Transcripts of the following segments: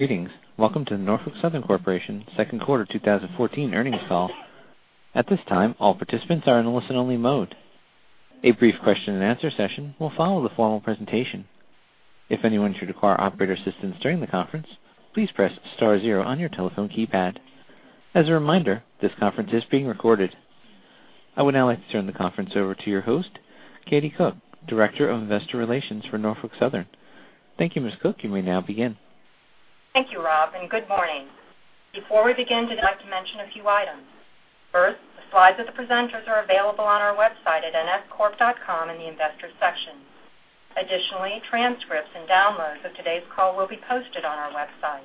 Greetings. Welcome to the Norfolk Southern Corporation second quarter 2014 earnings call. At this time, all participants are in a listen-only mode. A brief question-and-answer session will follow the formal presentation. If anyone should require operator assistance during the conference, please press star zero on your telephone keypad. As a reminder, this conference is being recorded. I would now like to turn the conference over to your host, Katie Cook, Director of Investor Relations for Norfolk Southern. Thank you, Ms. Cook. You may now begin. Thank you, Rob, and good morning. Before we begin today, I'd like to mention a few items. First, the slides of the presenters are available on our website at nscorp.com in the Investors section. Additionally, transcripts and downloads of today's call will be posted on our website.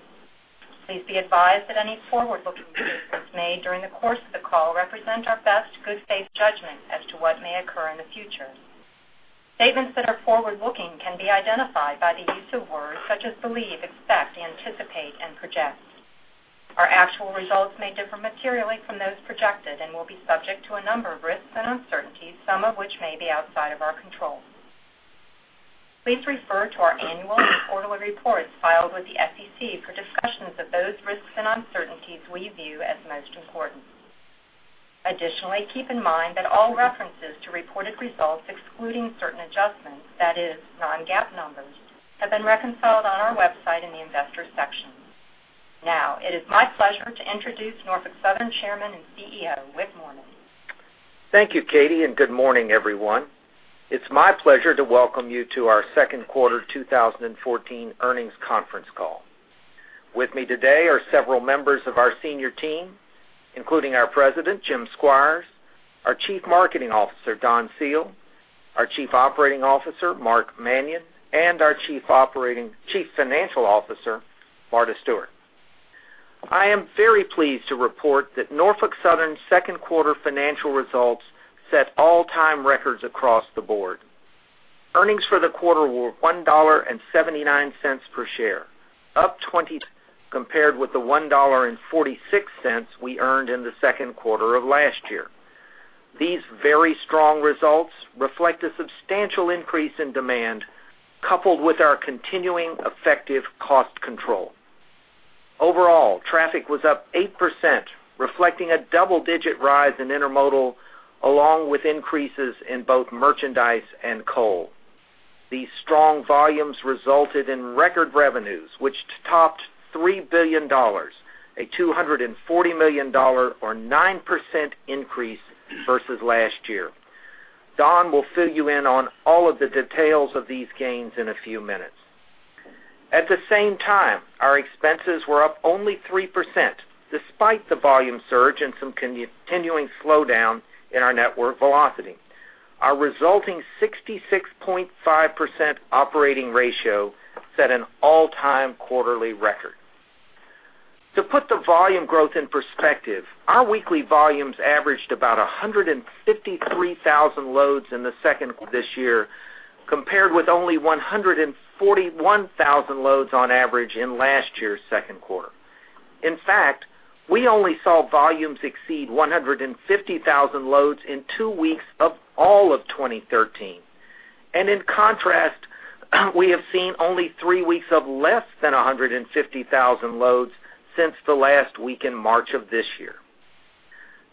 Please be advised that any forward-looking statements made during the course of the call represent our best good faith judgment as to what may occur in the future. Statements that are forward-looking can be identified by the use of words such as believe, expect, anticipate, and project. Our actual results may differ materially from those projected and will be subject to a number of risks and uncertainties, some of which may be outside of our control. Please refer to our annual and quarterly reports filed with the SEC for discussions of those risks and uncertainties we view as most important. Additionally, keep in mind that all references to reported results, excluding certain adjustments, that is non-GAAP numbers, have been reconciled on our website in the Investors section. Now, it is my pleasure to introduce Norfolk Southern Chairman and CEO, Wick Moorman. Thank you, Katie, and good morning, everyone. It's my pleasure to welcome you to our second quarter 2014 earnings conference call. With me today are several members of our senior team, including our President, Jim Squires, our Chief Marketing Officer, Don Seale, our Chief Operating Officer, Mark Manion, and our Chief Financial Officer, Marta Stewart. I am very pleased to report that Norfolk Southern's second quarter financial results set all-time records across the board. Earnings for the quarter were $1.79 per share, up 20, compared with the $1.46 we earned in the second quarter of last year. These very strong results reflect a substantial increase in demand, coupled with our continuing effective cost control. Overall, traffic was up 8%, reflecting a double-digit rise in intermodal, along with increases in both merchandise and coal. These strong volumes resulted in record revenues, which topped $3 billion, a $240 million, or 9% increase versus last year. Don will fill you in on all of the details of these gains in a few minutes. At the same time, our expenses were up only 3%, despite the volume surge and some continuing slowdown in our network velocity. Our resulting 66.5% operating ratio set an all-time quarterly record. To put the volume growth in perspective, our weekly volumes averaged about 153,000 loads in the second quarter this year, compared with only 141,000 loads on average in last year's second quarter. In fact, we only saw volumes exceed 150,000 loads in two weeks of all of 2013. And in contrast, we have seen only 3 weeks of less than 150,000 loads since the last week in March of this year.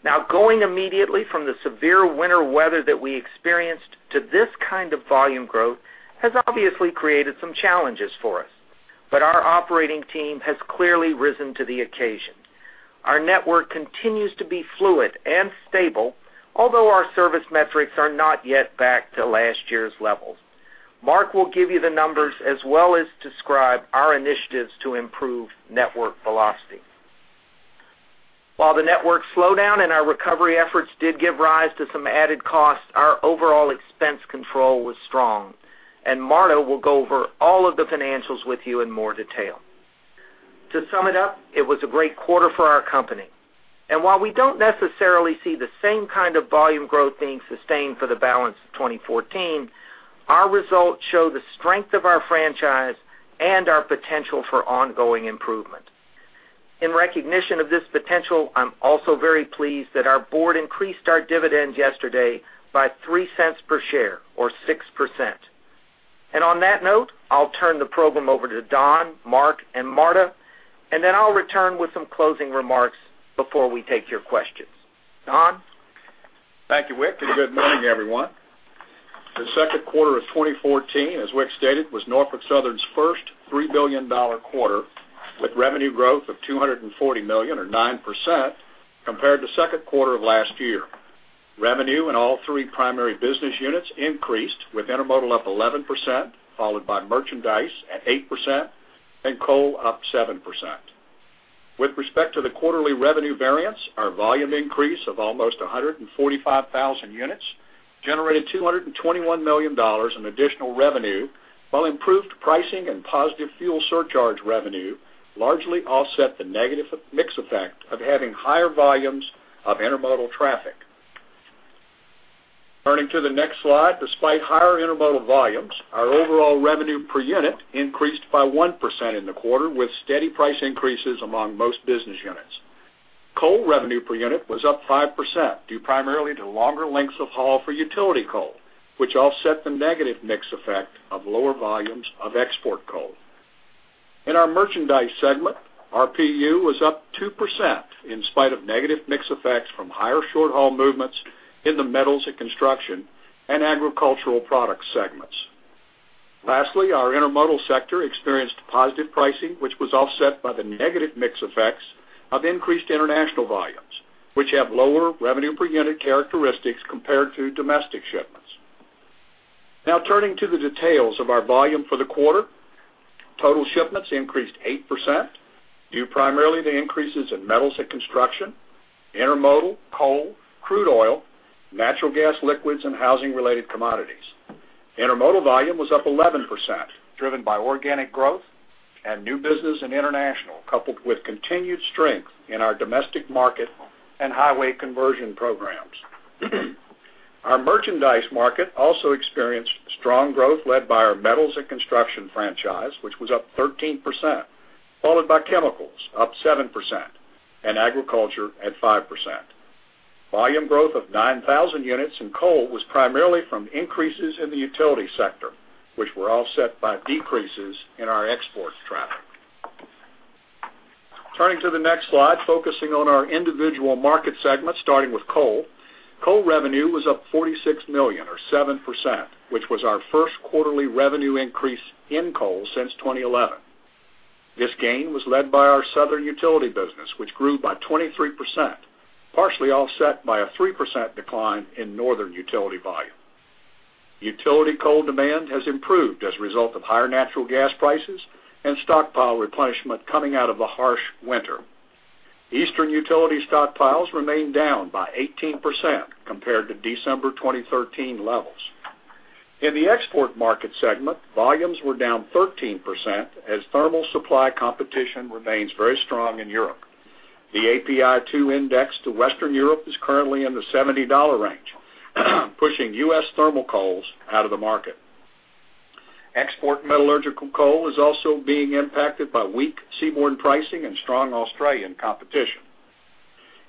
Now, going immediately from the severe winter weather that we experienced to this kind of volume growth has obviously created some challenges for us, but our operating team has clearly risen to the occasion. Our network continues to be fluid and stable, although our service metrics are not yet back to last year's levels. Mark will give you the numbers as well as describe our initiatives to improve network velocity. While the network slowdown and our recovery efforts did give rise to some added costs, our overall expense control was strong, and Marta will go over all of the financials with you in more detail. To sum it up, it was a great quarter for our company, and while we don't necessarily see the same kind of volume growth being sustained for the balance of 2014, our results show the strength of our franchise and our potential for ongoing improvement. In recognition of this potential, I'm also very pleased that our board increased our dividends yesterday by $0.03 per share, or 6%. And on that note, I'll turn the program over to Don, Mark, and Marta, and then I'll return with some closing remarks before we take your questions. Don? Thank you, Wick, and good morning, everyone. The second quarter of 2014, as Wick stated, was Norfolk Southern's first $3 billion quarter, with revenue growth of $240 million, or 9%, compared to second quarter of last year. Revenue in all three primary business units increased, with intermodal up 11%, followed by merchandise at 8% and coal up 7%. With respect to the quarterly revenue variance, our volume increase of almost 145,000 units generated $221 million in additional revenue, while improved pricing and positive fuel surcharge revenue largely offset the negative effect, mix effect of having higher volumes of intermodal traffic. Turning to the next slide. Despite higher intermodal volumes, our overall revenue per unit increased by 1% in the quarter, with steady price increases among most business units. Coal revenue per unit was up 5%, due primarily to longer lengths of haul for utility coal, which offset the negative mix effect of lower volumes of export coal. In our merchandise segment, RPU was up 2% in spite of negative mix effects from higher short-haul movements in the metals and construction and agricultural products segments. Lastly, our intermodal sector experienced positive pricing, which was offset by the negative mix effects of increased international volumes, which have lower revenue per unit characteristics compared to domestic shipments. Now turning to the details of our volume for the quarter, total shipments increased 8% due primarily to increases in metals and construction, intermodal, coal, crude oil, natural gas, liquids, and housing-related commodities. Intermodal volume was up 11%, driven by organic growth and new business in international, coupled with continued strength in our domestic market and highway conversion programs. Our merchandise market also experienced strong growth led by our metals and construction franchise, which was up 13%, followed by chemicals, up 7%, and agriculture at 5%. Volume growth of 9,000 units in coal was primarily from increases in the utility sector, which were offset by decreases in our export traffic. Turning to the next slide, focusing on our individual market segments, starting with coal. Coal revenue was up $46 million, or 7%, which was our first quarterly revenue increase in coal since 2011. This gain was led by our southern utility business, which grew by 23%, partially offset by a 3% decline in northern utility volume. Utility coal demand has improved as a result of higher natural gas prices and stockpile replenishment coming out of a harsh winter. Eastern utility stockpiles remained down by 18% compared to December 2013 levels. In the export market segment, volumes were down 13% as thermal supply competition remains very strong in Europe. The API 2 index to Western Europe is currently in the $70 range, pushing U.S. thermal coals out of the market. Export metallurgical coal is also being impacted by weak seaborne pricing and strong Australian competition.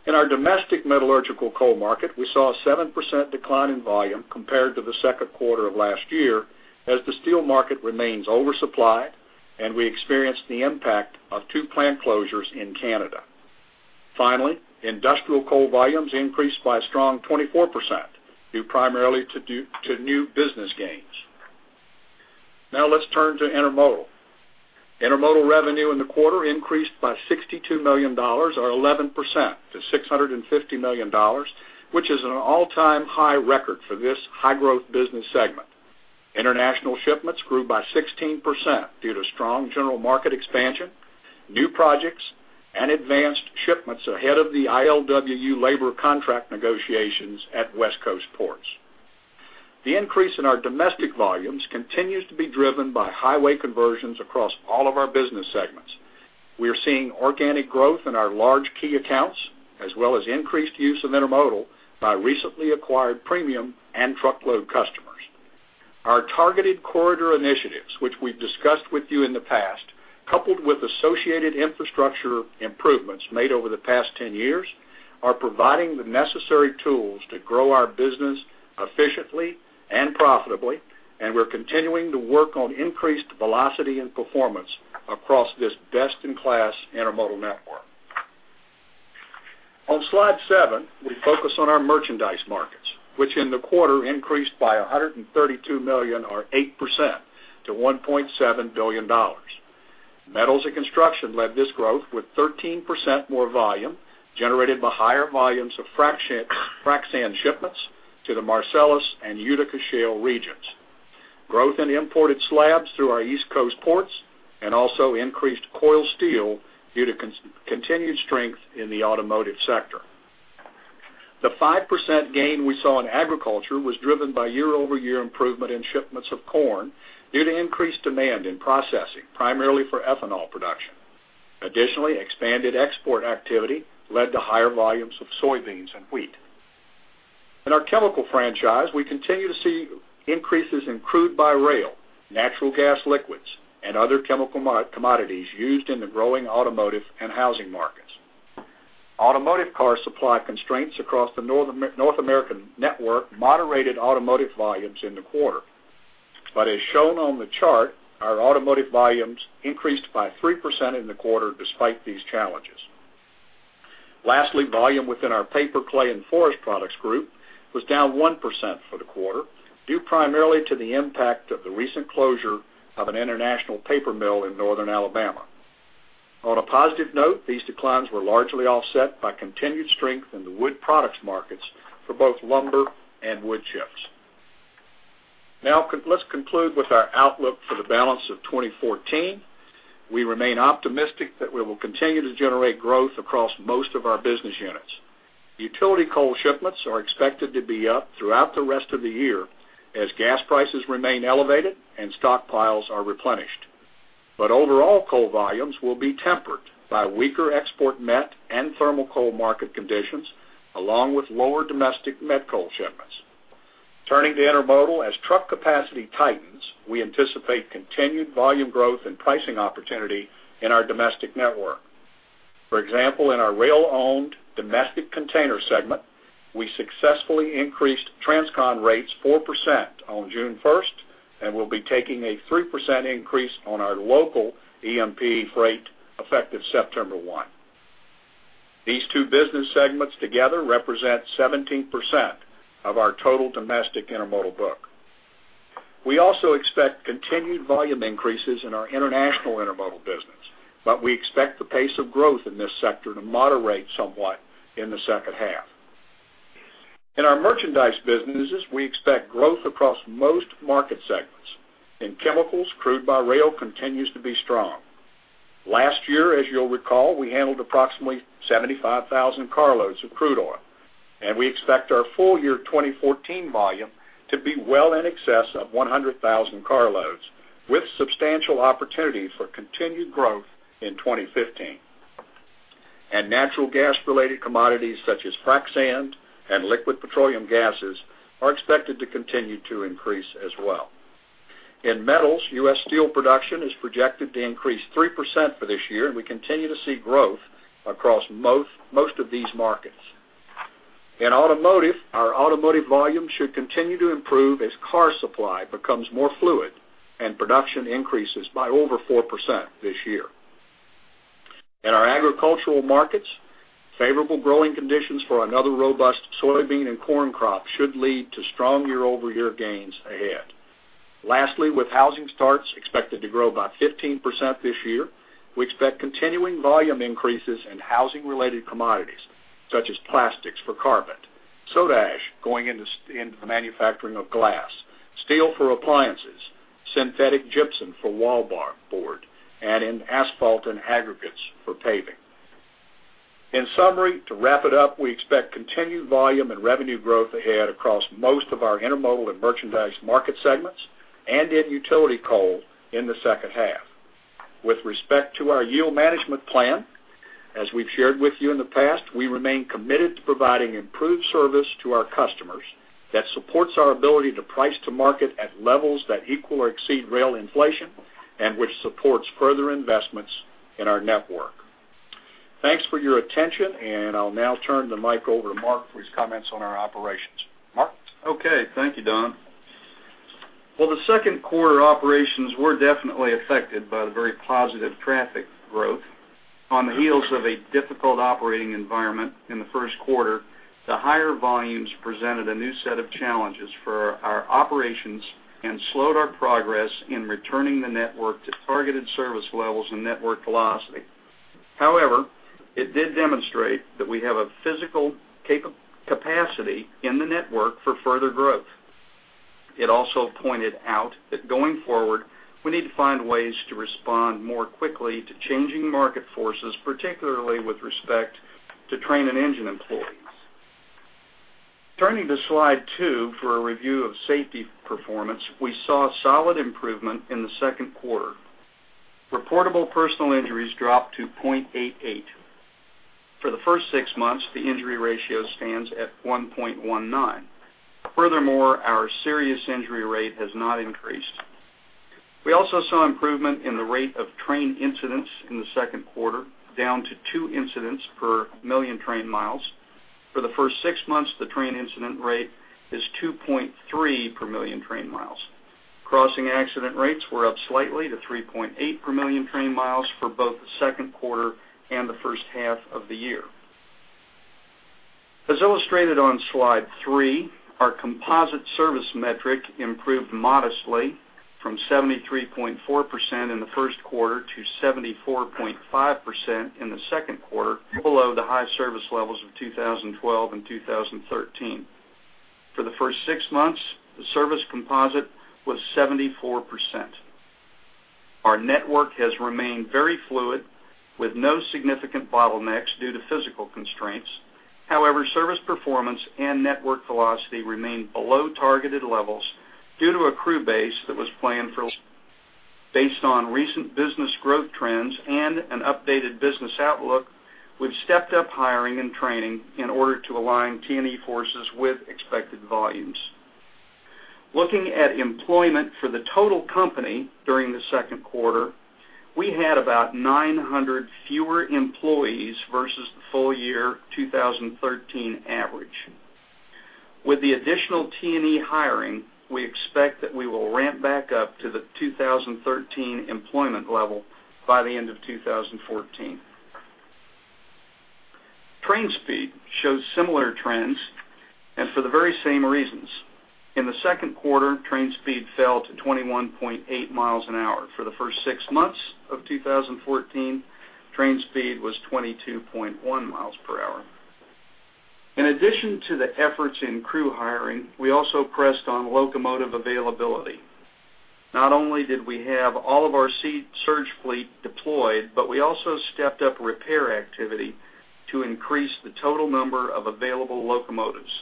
In our domestic metallurgical coal market, we saw a 7% decline in volume compared to the second quarter of last year, as the steel market remains oversupplied, and we experienced the impact of two plant closures in Canada. Finally, industrial coal volumes increased by a strong 24%, due primarily to new business gains. Now let's turn to intermodal. Intermodal revenue in the quarter increased by $62 million, or 11%, to $650 million, which is an all-time high record for this high-growth business segment. International shipments grew by 16% due to strong general market expansion, new projects, and advanced shipments ahead of the ILWU labor contract negotiations at West Coast ports. The increase in our domestic volumes continues to be driven by highway conversions across all of our business segments. We are seeing organic growth in our large key accounts, as well as increased use of intermodal by recently acquired premium and truckload customers. Our targeted corridor initiatives, which we've discussed with you in the past, coupled with associated infrastructure improvements made over the past 10 years, are providing the necessary tools to grow our business efficiently and profitably, and we're continuing to work on increased velocity and performance across this best-in-class intermodal network. On slide 7, we focus on our merchandise markets, which in the quarter increased by $132 million, or 8%, to $1.7 billion. Metals and construction led this growth, with 13% more volume generated by higher volumes of frac sand shipments to the Marcellus and Utica Shale regions, growth in imported slabs through our East Coast ports, and also increased coil steel due to continued strength in the automotive sector. The 5% gain we saw in agriculture was driven by year-over-year improvement in shipments of corn due to increased demand in processing, primarily for ethanol production. Additionally, expanded export activity led to higher volumes of soybeans and wheat. In our chemical franchise, we continue to see increases in crude by rail, natural gas liquids, and other chemical commodities used in the growing automotive and housing markets. Automotive car supply constraints across the North American network moderated automotive volumes in the quarter. But as shown on the chart, our automotive volumes increased by 3% in the quarter despite these challenges. Lastly, volume within our paper, clay, and forest products group was down 1% for the quarter, due primarily to the impact of the recent closure of an international paper mill in northern Alabama. On a positive note, these declines were largely offset by continued strength in the wood products markets for both lumber and wood chips. Now, let's conclude with our outlook for the balance of 2014. We remain optimistic that we will continue to generate growth across most of our business units. Utility coal shipments are expected to be up throughout the rest of the year as gas prices remain elevated and stockpiles are replenished. But overall, coal volumes will be tempered by weaker export met and thermal coal market conditions, along with lower domestic met coal shipments. Turning to intermodal, as truck capacity tightens, we anticipate continued volume growth and pricing opportunity in our domestic network. For example, in our rail-owned domestic container segment, we successfully increased transcon rates 4% on June 1, and we'll be taking a 3% increase on our local EMP freight, effective September 1st. These two business segments together represent 17% of our total domestic intermodal book. We also expect continued volume increases in our international intermodal business, but we expect the pace of growth in this sector to moderate somewhat in the second half. In our merchandise businesses, we expect growth across most market segments. In chemicals, crude by rail continues to be strong. Last year, as you'll recall, we handled approximately 75,000 carloads of crude oil, and we expect our full-year 2014 volume to be well in excess of 100,000 carloads, with substantial opportunities for continued growth in 2015. And natural gas-related commodities, such as frac sand and liquid petroleum gases, are expected to continue to increase as well. In metals, U.S. steel production is projected to increase 3% for this year, and we continue to see growth across most of these markets. In automotive, our automotive volume should continue to improve as car supply becomes more fluid and production increases by over 4% this year. In our agricultural markets, favorable growing conditions for another robust soybean and corn crop should lead to strong year-over-year gains ahead. Lastly, with housing starts expected to grow by 15% this year, we expect continuing volume increases in housing-related commodities such as plastics for carpet, soda ash going into the manufacturing of glass, steel for appliances, synthetic gypsum for wallboard, and in asphalt and aggregates for paving. In summary, to wrap it up, we expect continued volume and revenue growth ahead across most of our intermodal and merchandise market segments and in utility coal in the second half. With respect to our yield management plan, as we've shared with you in the past, we remain committed to providing improved service to our customers that supports our ability to price to market at levels that equal or exceed rail inflation, and which supports further investments in our network. Thanks for your attention, and I'll now turn the mic over to Mark for his comments on our operations. Mark? Okay. Thank you, Don. Well, the second quarter operations were definitely affected by the very positive traffic growth. On the heels of a difficult operating environment in the first quarter, the higher volumes presented a new set of challenges for our operations and slowed our progress in returning the network to targeted service levels and network velocity. However, it did demonstrate that we have a physical capacity in the network for further growth. It also pointed out that going forward, we need to find ways to respond more quickly to changing market forces, particularly with respect to train and engine employees. Turning to Slide 2 for a review of safety performance, we saw solid improvement in the second quarter. Reportable personal injuries dropped to 0.88. For the first six months, the injury ratio stands at 1.19. Furthermore, our serious injury rate has not increased. We also saw improvement in the rate of train incidents in the second quarter, down to two incidents per million train miles. For the first six months, the train incident rate is 2.3 per million train miles. Crossing accident rates were up slightly to 3.8 per million train miles for both the second quarter and the first half of the year. As illustrated on slide three, our composite service metric improved modestly from 73.4% in the first quarter to 74.5% in the second quarter, below the high service levels of 2012 and 2013. For the first six months, the service composite was 74%. Our network has remained very fluid, with no significant bottlenecks due to physical constraints. However, service performance and network velocity remained below targeted levels due to a crew base that was planned for. Based on recent business growth trends and an updated business outlook, we've stepped up hiring and training in order to align T&E forces with expected volumes. Looking at employment for the total company during the second quarter, we had about 900 fewer employees versus the full year 2013 average. With the additional T&E hiring, we expect that we will ramp back up to the 2013 employment level by the end of 2014. Train speed shows similar trends, and for the very same reasons. In the second quarter, train speed fell to 21.8 miles an hour. For the first six months of 2014, train speed was 22.1 miles per hour. In addition to the efforts in crew hiring, we also pressed on locomotive availability. Not only did we have all of our surge fleet deployed, but we also stepped up repair activity to increase the total number of available locomotives.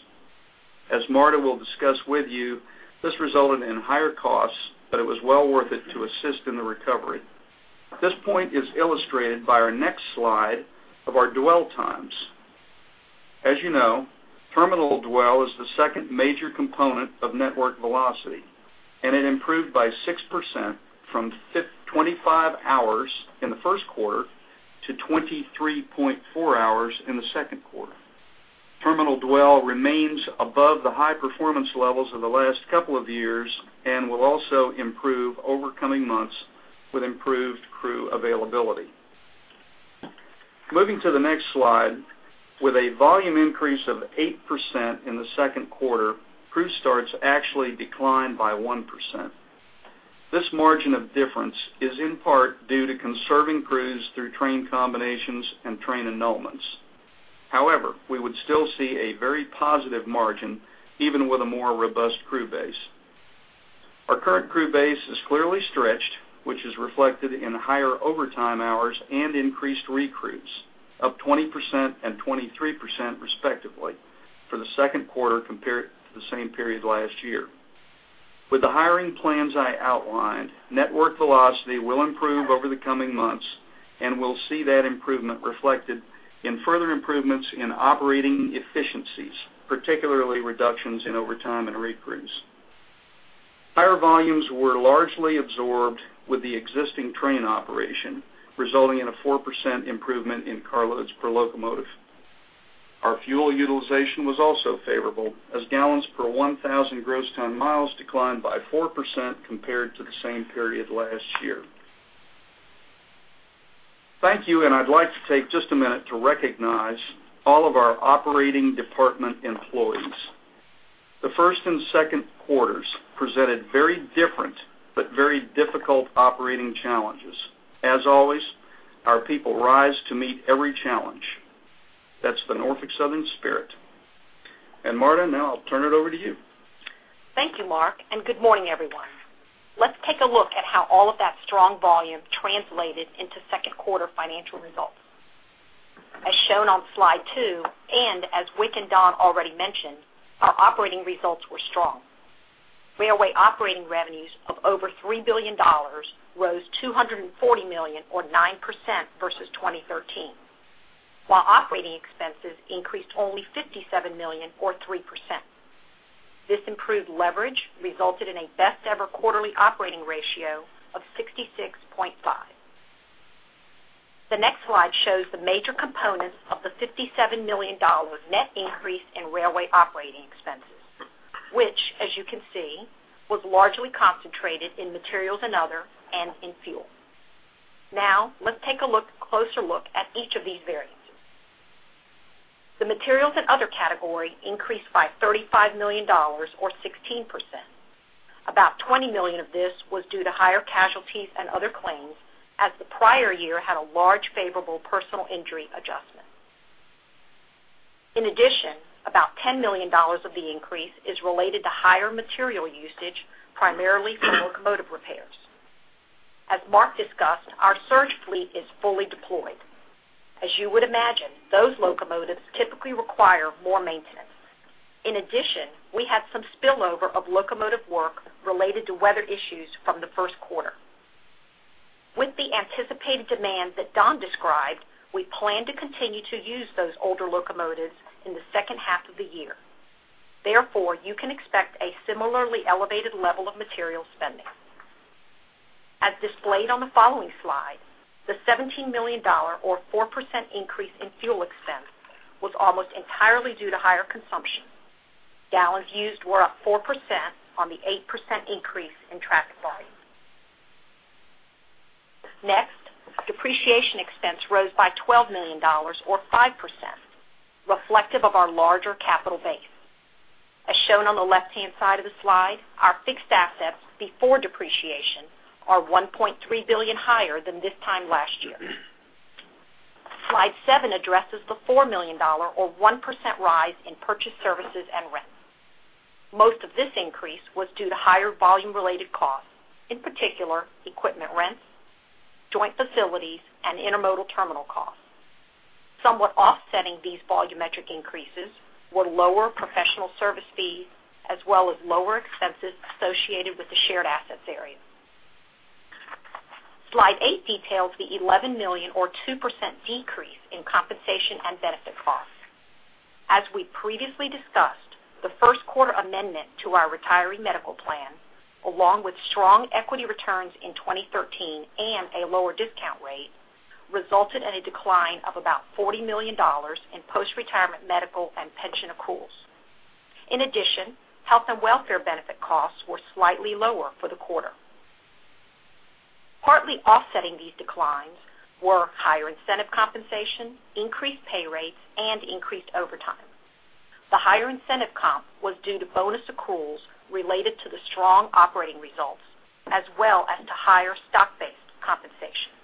As Marta will discuss with you, this resulted in higher costs, but it was well worth it to assist in the recovery. This point is illustrated by our next slide of our dwell times. As you know, terminal dwell is the second major component of network velocity, and it improved by 6% from 25 hours in the first quarter to 23.4 hours in the second quarter. Terminal dwell remains above the high-performance levels of the last couple of years and will also improve over coming months with improved crew availability. Moving to the next slide, with a volume increase of 8% in the second quarter, crew starts actually declined by 1%. This margin of difference is, in part, due to conserving crews through train combinations and train annulments. However, we would still see a very positive margin even with a more robust crew base. Our current crew base is clearly stretched, which is reflected in higher overtime hours and increased recruits, up 20% and 23%, respectively, for the second quarter compared to the same period last year. With the hiring plans I outlined, network velocity will improve over the coming months, and we'll see that improvement reflected in further improvements in operating efficiencies, particularly reductions in overtime and recruits. Higher volumes were largely absorbed with the existing train operation, resulting in a 4% improvement in carloads per locomotive. Our fuel utilization was also favorable, as gallons per 1,000 gross ton miles declined by 4% compared to the same period last year. Thank you, and I'd like to take just a minute to recognize all of our operating department employees. The first and second quarters presented very different but very difficult operating challenges. As always, our people rise to meet every challenge. That's the Norfolk Southern spirit. Marta, now I'll turn it over to you. Thank you, Mark, and good morning, everyone. Let's take a look at how all of that strong volume translated into second quarter financial results. As shown on slide 2, and as Wick and Don already mentioned, our operating results were strong. Railway operating revenues of over $3 billion rose $240 million, or 9%, versus 2013, while operating expenses increased only $57 million, or 3%. This improved leverage resulted in a best-ever quarterly operating ratio of 66.5. The next slide shows the major components of the $57 million net increase in railway operating expenses, which, as you can see, was largely concentrated in Materials and Other and in fuel. Now, let's take a closer look at each of these variances. The Materials and Other category increased by $35 million, or 16%. About $20 million of this was due to higher casualties and other claims, as the prior year had a large favorable personal injury adjustment. In addition, about $10 million of the increase is related to higher material usage, primarily for locomotive repairs. As Mark discussed, our surge fleet is fully deployed. As you would imagine, those locomotives typically require more maintenance. In addition, we had some spillover of locomotive work related to weather issues from the first quarter. With the anticipated demand that Don described, we plan to continue to use those older locomotives in the second half of the year. Therefore, you can expect a similarly elevated level of material spending. As displayed on the following slide, the $17 million, or 4%, increase in fuel expense was almost entirely due to higher consumption. Gallons used were up 4% on the 8% increase in traffic volume. Next, depreciation expense rose by $12 million, or 5%, reflective of our larger capital base. As shown on the left-hand side of the slide, our fixed assets before depreciation are $1.3 billion higher than this time last year. Slide seven addresses the $4 million, or 1%, rise in Purchased Services and Rents. Most of this increase was due to higher volume-related costs, in particular, equipment rents, joint facilities, and intermodal terminal costs. Somewhat offsetting these volumetric increases were lower professional service fees as well as lower expenses associated with the Shared Assets area. Slide eight details the $11 million, or 2%, decrease in compensation and benefit costs. As we previously discussed, the first quarter amendment to our retiree medical plan, along with strong equity returns in 2013 and a lower discount rate, resulted in a decline of about $40 million in post-retirement medical and pension accruals. In addition, health and welfare benefit costs were slightly lower for the quarter. Partly offsetting these declines were higher incentive compensation, increased pay rates, and increased overtime. The higher incentive comp was due to bonus accruals related to the strong operating results, as well as to higher stock-based compensation.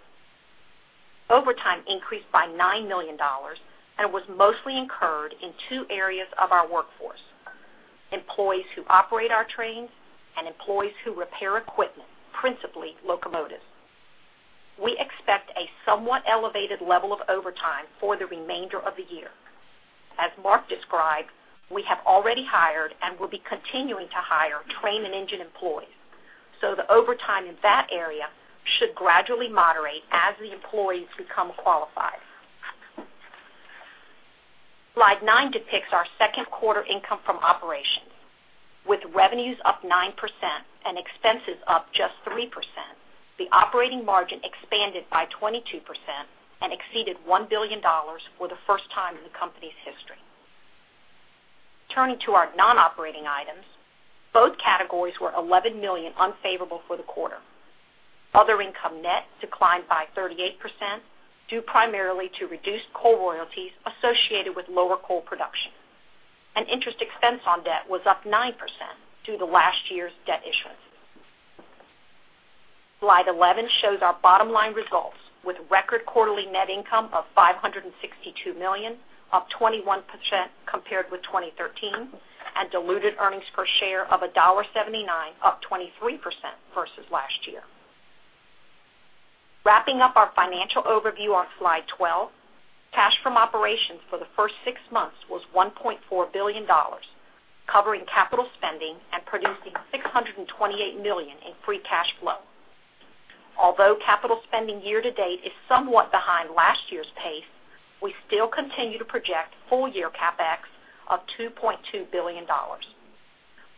Overtime increased by $9 million and was mostly incurred in two areas of our workforce: employees who operate our trains and employees who repair equipment, principally locomotives. We expect a somewhat elevated level of overtime for the remainder of the year. As Mark described, we have already hired and will be continuing to hire train and engine employees, so the overtime in that area should gradually moderate as the employees become qualified. Slide nine depicts our second quarter income from operations. With revenues up 9% and expenses up just 3%, the operating margin expanded by 22% and exceeded $1 billion for the first time in the company's history. Turning to our non-operating items, both categories were $11 million unfavorable for the quarter. Other income net declined by 38%, due primarily to reduced coal royalties associated with lower coal production, and interest expense on debt was up 9% due to last year's debt issuance. Slide 11 shows our bottom line results, with record quarterly net income of $562 million, up 21% compared with 2013, and diluted earnings per share of $1.79, up 23% versus last year. Wrapping up our financial overview on Slide 12, cash from operations for the first six months was $1.4 billion, covering capital spending and producing $628 million in free cash flow. Although capital spending year-to-date is somewhat behind last year's pace, we still continue to project full year CapEx of $2.2 billion.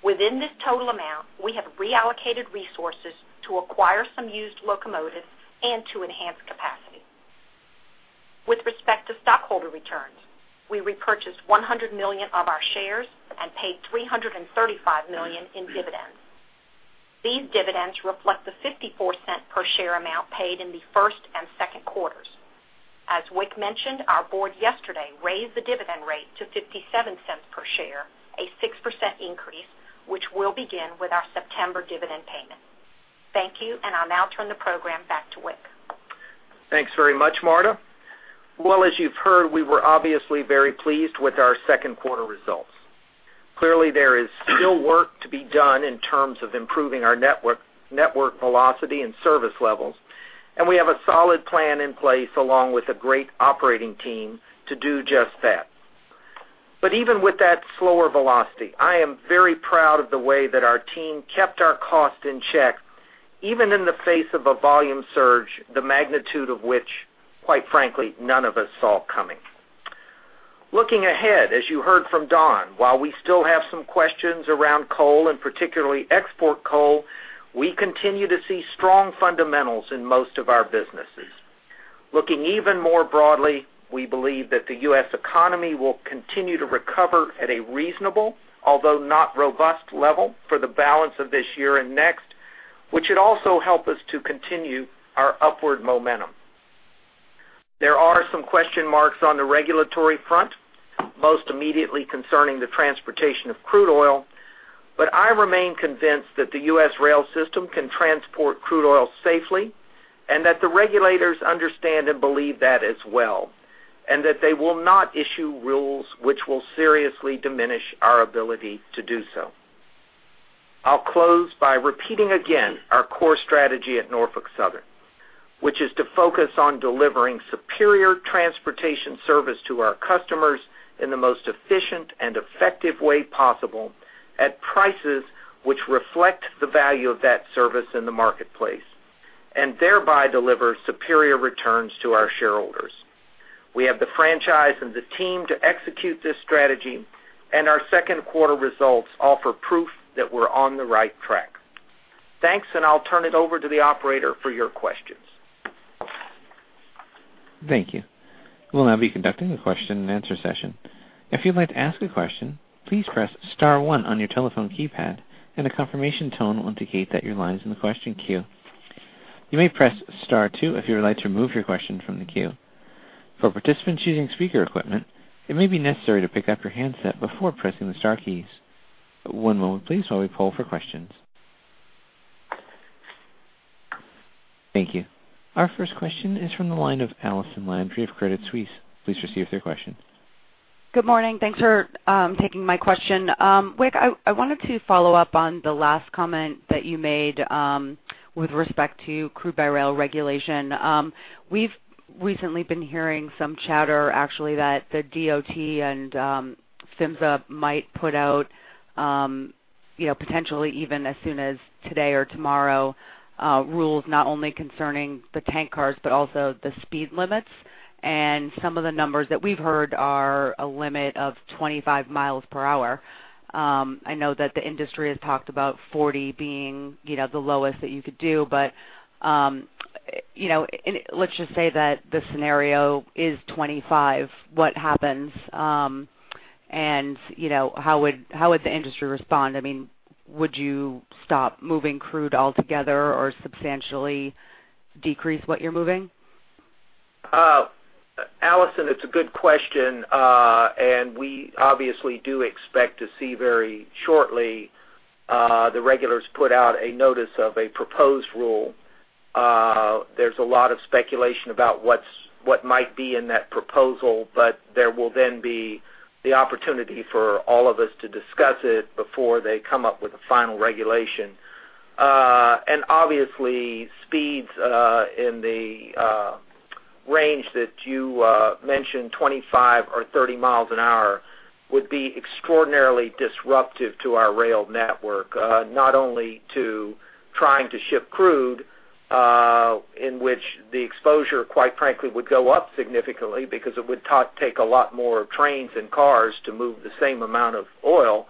Within this total amount, we have reallocated resources to acquire some used locomotives and to enhance capacity. With respect to stockholder returns, we repurchased $100 million of our shares and paid $335 million in dividends. These dividends reflect the $0.54 per share amount paid in the first and second quarters. As Wick mentioned, our board yesterday raised the dividend rate to $0.57 per share, a 6% increase, which will begin with our September dividend payment. Thank you, and I'll now turn the program back to Wick. Thanks very much, Marta. Well, as you've heard, we were obviously very pleased with our second quarter results. Clearly, there is still work to be done in terms of improving our network, network velocity and service levels, and we have a solid plan in place, along with a great operating team, to do just that. But even with that slower velocity, I am very proud of the way that our team kept our costs in check, even in the face of a volume surge, the magnitude of which, quite frankly, none of us saw coming. Looking ahead, as you heard from Don, while we still have some questions around coal and particularly export coal, we continue to see strong fundamentals in most of our businesses. Looking even more broadly, we believe that the U.S. economy will continue to recover at a reasonable, although not robust, level for the balance of this year and next, which should also help us to continue our upward momentum. There are some question marks on the regulatory front, most immediately concerning the transportation of crude oil, but I remain convinced that the U.S. rail system can transport crude oil safely and that the regulators understand and believe that as well, and that they will not issue rules which will seriously diminish our ability to do so. I'll close by repeating again our core strategy at Norfolk Southern, which is to focus on delivering superior transportation service to our customers in the most efficient and effective way possible, at prices which reflect the value of that service in the marketplace, and thereby deliver superior returns to our shareholders. We have the franchise and the team to execute this strategy, and our second quarter results offer proof that we're on the right track. Thanks, and I'll turn it over to the operator for your questions. Thank you. We'll now be conducting a question-and-answer session. If you'd like to ask a question, please press star one on your telephone keypad, and a confirmation tone will indicate that your line is in the question queue. You may press star two if you would like to remove your question from the queue. For participants using speaker equipment, it may be necessary to pick up your handset before pressing the star keys. One moment, please, while we poll for questions. Thank you. Our first question is from the line of Allison Landry of Credit Suisse. Please proceed with your question. Good morning. Thanks for taking my question. Wick, I wanted to follow up on the last comment that you made, with respect to crude by rail regulation. We've recently been hearing some chatter, actually, that the DOT and PHMSA might put out, you know, potentially even as soon as today or tomorrow, rules not only concerning the tank cars, but also the speed limits. And some of the numbers that we've heard are a limit of 25 miles per hour. I know that the industry has talked about 40 being, you know, the lowest that you could do, but, you know, and let's just say that the scenario is 25. What happens, and, you know, how would the industry respond? I mean, would you stop moving crude altogether or substantially decrease what you're moving? Allison, it's a good question. And we obviously do expect to see very shortly, the regulators put out a notice of a proposed rule. There's a lot of speculation about what might be in that proposal, but there will then be the opportunity for all of us to discuss it before they come up with a final regulation. And obviously, speeds in the range that you mentioned, 25 or 30 miles an hour, would be extraordinarily disruptive to our rail network. Not only to trying to ship crude, in which the exposure, quite frankly, would go up significantly because it would take a lot more trains and cars to move the same amount of oil,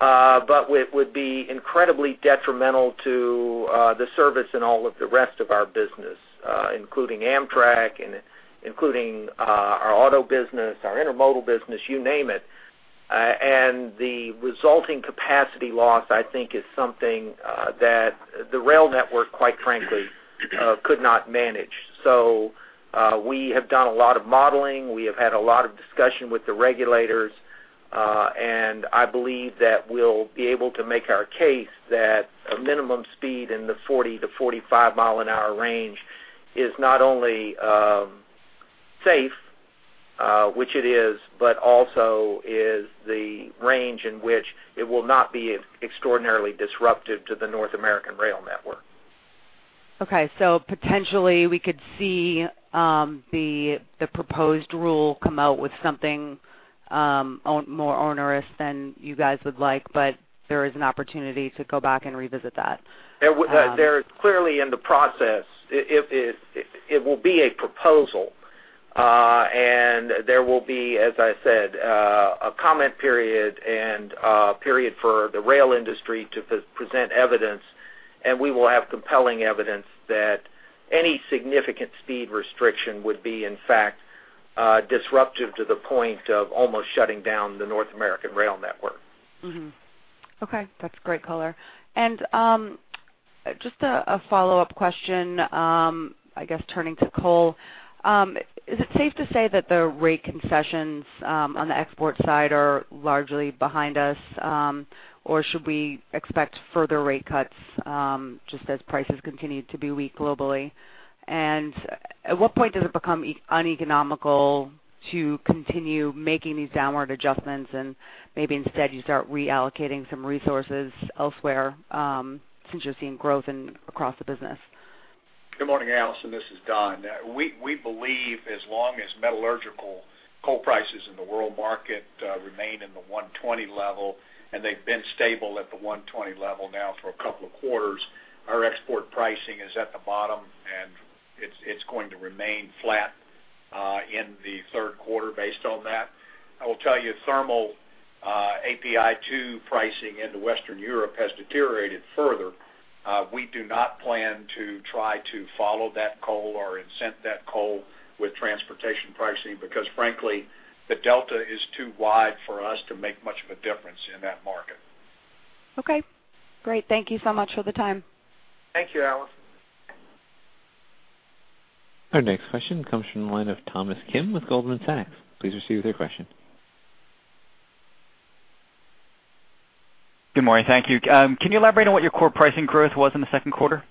but it would be incredibly detrimental to the service and all of the rest of our business, including Amtrak, and including our auto business, our intermodal business, you name it. And the resulting capacity loss, I think, is something that the rail network, quite frankly, could not manage. So, we have done a lot of modeling. We have had a lot of discussion with the regulators, and I believe that we'll be able to make our case that a minimum speed in the 40-45 mile an hour range is not only safe, which it is, but also is the range in which it will not be extraordinarily disruptive to the North American rail network. Okay, so potentially, we could see the proposed rule come out with something on more onerous than you guys would like, but there is an opportunity to go back and revisit that? They're clearly in the process. It will be a proposal, and there will be, as I said, a comment period and a period for the rail industry to present evidence, and we will have compelling evidence that any significant speed restriction would be, in fact, disruptive to the point of almost shutting down the North American rail network. Mm-hmm. Okay, that's great color. And just a follow-up question, I guess, turning to coal. Is it safe to say that the rate concessions on the export side are largely behind us, or should we expect further rate cuts just as prices continue to be weak globally? And at what point does it become uneconomical to continue making these downward adjustments and maybe instead you start reallocating some resources elsewhere, since you're seeing growth in across the business? Good morning, Allison. This is Don. We believe as long as metallurgical coal prices in the world market remain in the $120 level, and they've been stable at the $120 level now for a couple of quarters, our export pricing is at the bottom, and it's going to remain flat in the third quarter based on that. I will tell you, thermal API 2 pricing into Western Europe has deteriorated further. We do not plan to try to follow that coal or incent that coal with transportation pricing because frankly, the delta is too wide for us to make much of a difference in that market. Okay, great. Thank you so much for the time. Thank you, Allison. Our next question comes from the line of Thomas Kim with Goldman Sachs. Please proceed with your question. Good morning. Thank you. Can you elaborate on what your core pricing growth was in the second quarter?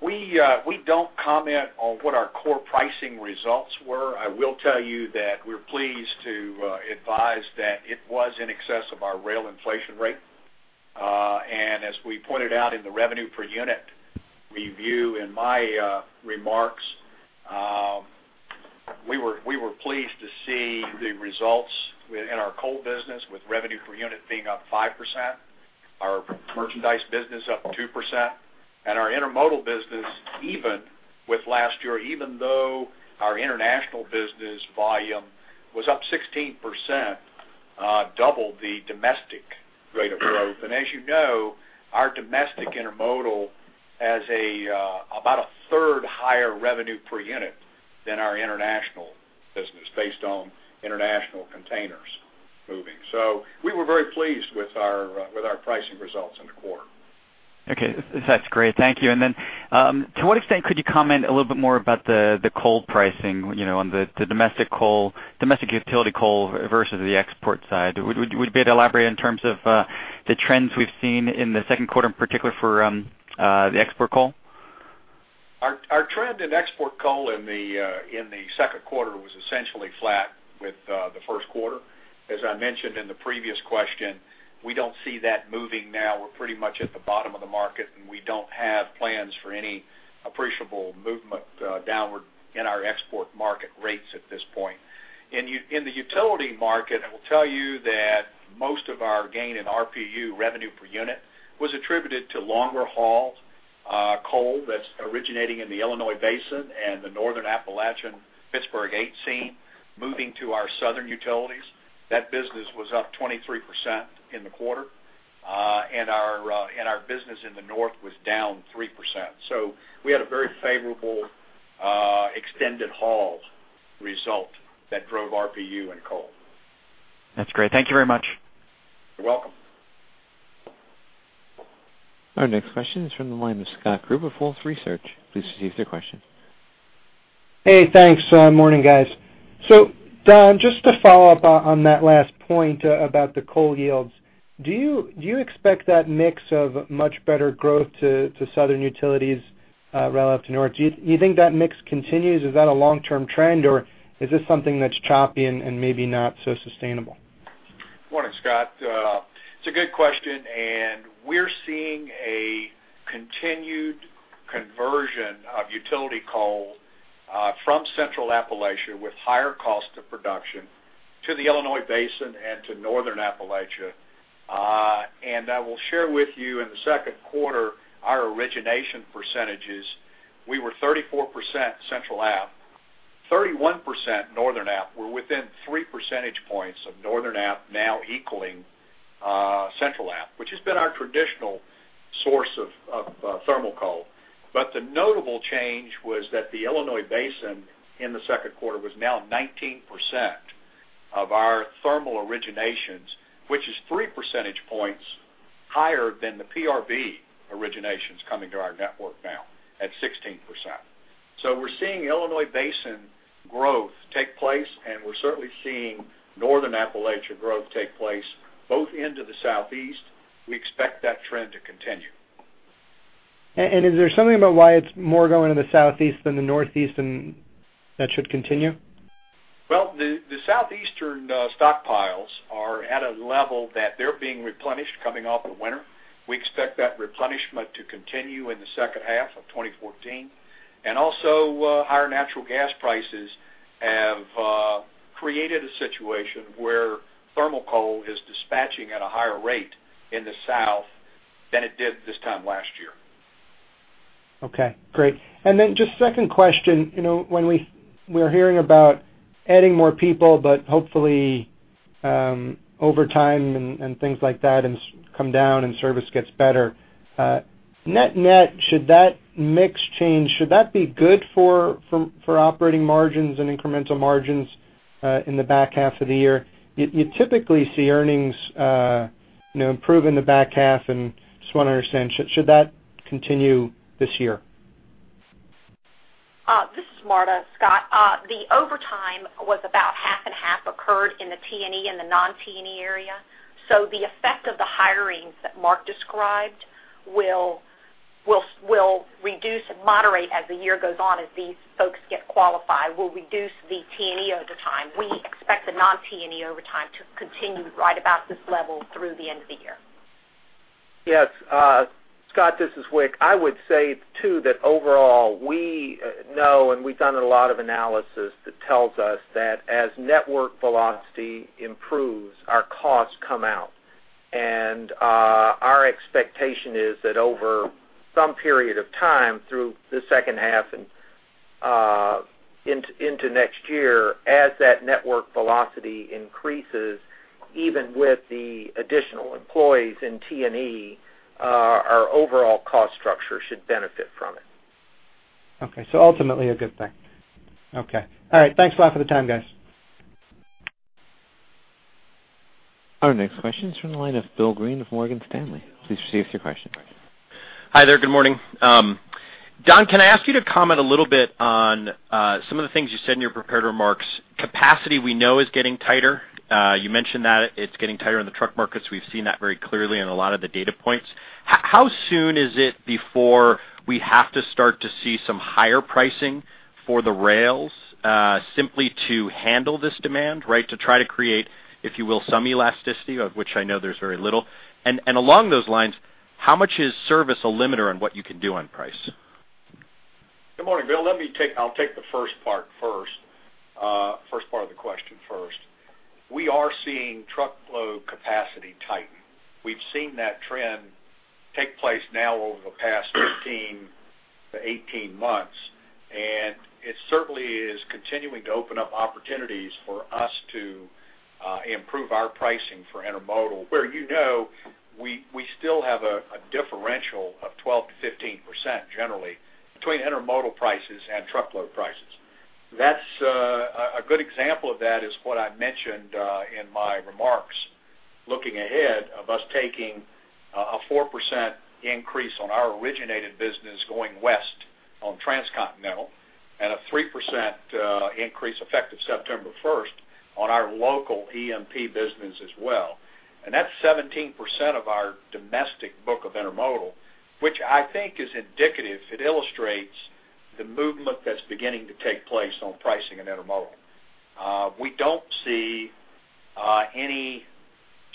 We don't comment on what our core pricing results were. I will tell you that we're pleased to advise that it was in excess of our rail inflation rate. As we pointed out in the revenue per unit review in my remarks, we were pleased to see the results in our coal business, with revenue per unit being up 5%, our merchandise business up 2%, and our intermodal business even with last year, even though our international business volume was up 16%, double the domestic rate of growth. As you know, our domestic intermodal has about a third higher revenue per unit than our international business, based on international containers moving. We were very pleased with our pricing results in the quarter. Okay, that's great. Thank you. And then, to what extent could you comment a little bit more about the coal pricing, you know, on the domestic coal, domestic utility coal versus the export side? Would you be able to elaborate in terms of the trends we've seen in the second quarter, in particular for the export coal? Our trend in export coal in the second quarter was essentially flat with the first quarter. As I mentioned in the previous question, we don't see that moving now. We're pretty much at the bottom of the market, and we don't have plans for any appreciable movement downward in our export market rates at this point. In the utility market, I will tell you that most of our gain in RPU, revenue per unit, was attributed to longer haul coal that's originating in the Illinois Basin and the Northern Appalachia Pittsburgh Eight seam, moving to our southern utilities. That business was up 23% in the quarter. And our business in the north was down 3%. So we had a very favorable extended haul result that drove RPU in coal. That's great. Thank you very much. You're welcome. Our next question is from the line of Scott Group of Wolfe Research. Please proceed with your question. Hey, thanks. Morning, guys. So, Don, just to follow up on that last point about the coal yields, do you expect that mix of much better growth to southern utilities rail up to north. Do you, do you think that mix continues? Is that a long-term trend, or is this something that's choppy and, and maybe not so sustainable? Morning, Scott. It's a good question, and we're seeing a continued conversion of utility coal from Central Appalachia, with higher cost of production, to the Illinois Basin and to Northern Appalachia. And I will share with you in the second quarter, our origination percentages, we were 34% Central App, 31% Northern App. We're within 3 percentage points of Northern App now equaling Central App, which has been our traditional source of thermal coal. But the notable change was that the Illinois Basin, in the second quarter, was now 19% of our thermal originations, which is 3 percentage points higher than the PRB originations coming to our network now, at 16%. So we're seeing Illinois Basin growth take place, and we're certainly seeing Northern Appalachia growth take place, both into the Southeast. We expect that trend to continue. Is there something about why it's more going to the Southeast than the Northeast, and that should continue? Well, the Southeastern stockpiles are at a level that they're being replenished coming off of winter. We expect that replenishment to continue in the second half of 2014. And also, higher natural gas prices have created a situation where thermal coal is dispatching at a higher rate in the South than it did this time last year. Okay, great. And then just second question, you know, when we're hearing about adding more people, but hopefully over time and things like that, and come down and service gets better. Net-net, should that mix change, should that be good for operating margins and incremental margins in the back half of the year? You typically see earnings, you know, improve in the back half, and I just wanna understand, should that continue this year? This is Marta. Scott, the overtime was about half and half occurred in the T&E and the non-T&E area. So the effect of the hirings that Mark described will, will, will reduce and moderate as the year goes on, as these folks get qualified, will reduce the T&E overtime. We expect the non-T&E overtime to continue right about this level through the end of the year. Yes, Scott, this is Wick. I would say, too, that overall, we know and we've done a lot of analysis that tells us that as network velocity improves, our costs come out. And, our expectation is that over some period of time, through the second half and into next year, as that network velocity increases, even with the additional employees in T&E, our overall cost structure should benefit from it. Okay, so ultimately a good thing. Okay. All right. Thanks a lot for the time, guys. Our next question is from the line of Bill Greene of Morgan Stanley. Please proceed with your question. Hi there, good morning. Don, can I ask you to comment a little bit on some of the things you said in your prepared remarks. Capacity we know is getting tighter. You mentioned that it's getting tighter in the truck markets. We've seen that very clearly in a lot of the data points. How, how soon is it before we have to start to see some higher pricing for the rails, simply to handle this demand, right? To try to create, if you will, some elasticity, of which I know there's very little. And, and along those lines, how much is service a limiter on what you can do on price? Good morning, Bill. I'll take the first part first, first part of the question first. We are seeing truckload capacity tighten. We've seen that trend take place now over the past 15-18 months, and it certainly is continuing to open up opportunities for us to improve our pricing for intermodal, where you know, we still have a differential of 12%-15% generally, between intermodal prices and truckload prices. That's a good example of that is what I mentioned in my remarks, looking ahead of us taking a 4% increase on our originated business going west on transcontinental, and a 3% increase, effective September first, on our local EMP business as well. And that's 17% of our domestic book of intermodal, which I think is indicative. It illustrates the movement that's beginning to take place on pricing and intermodal. We don't see any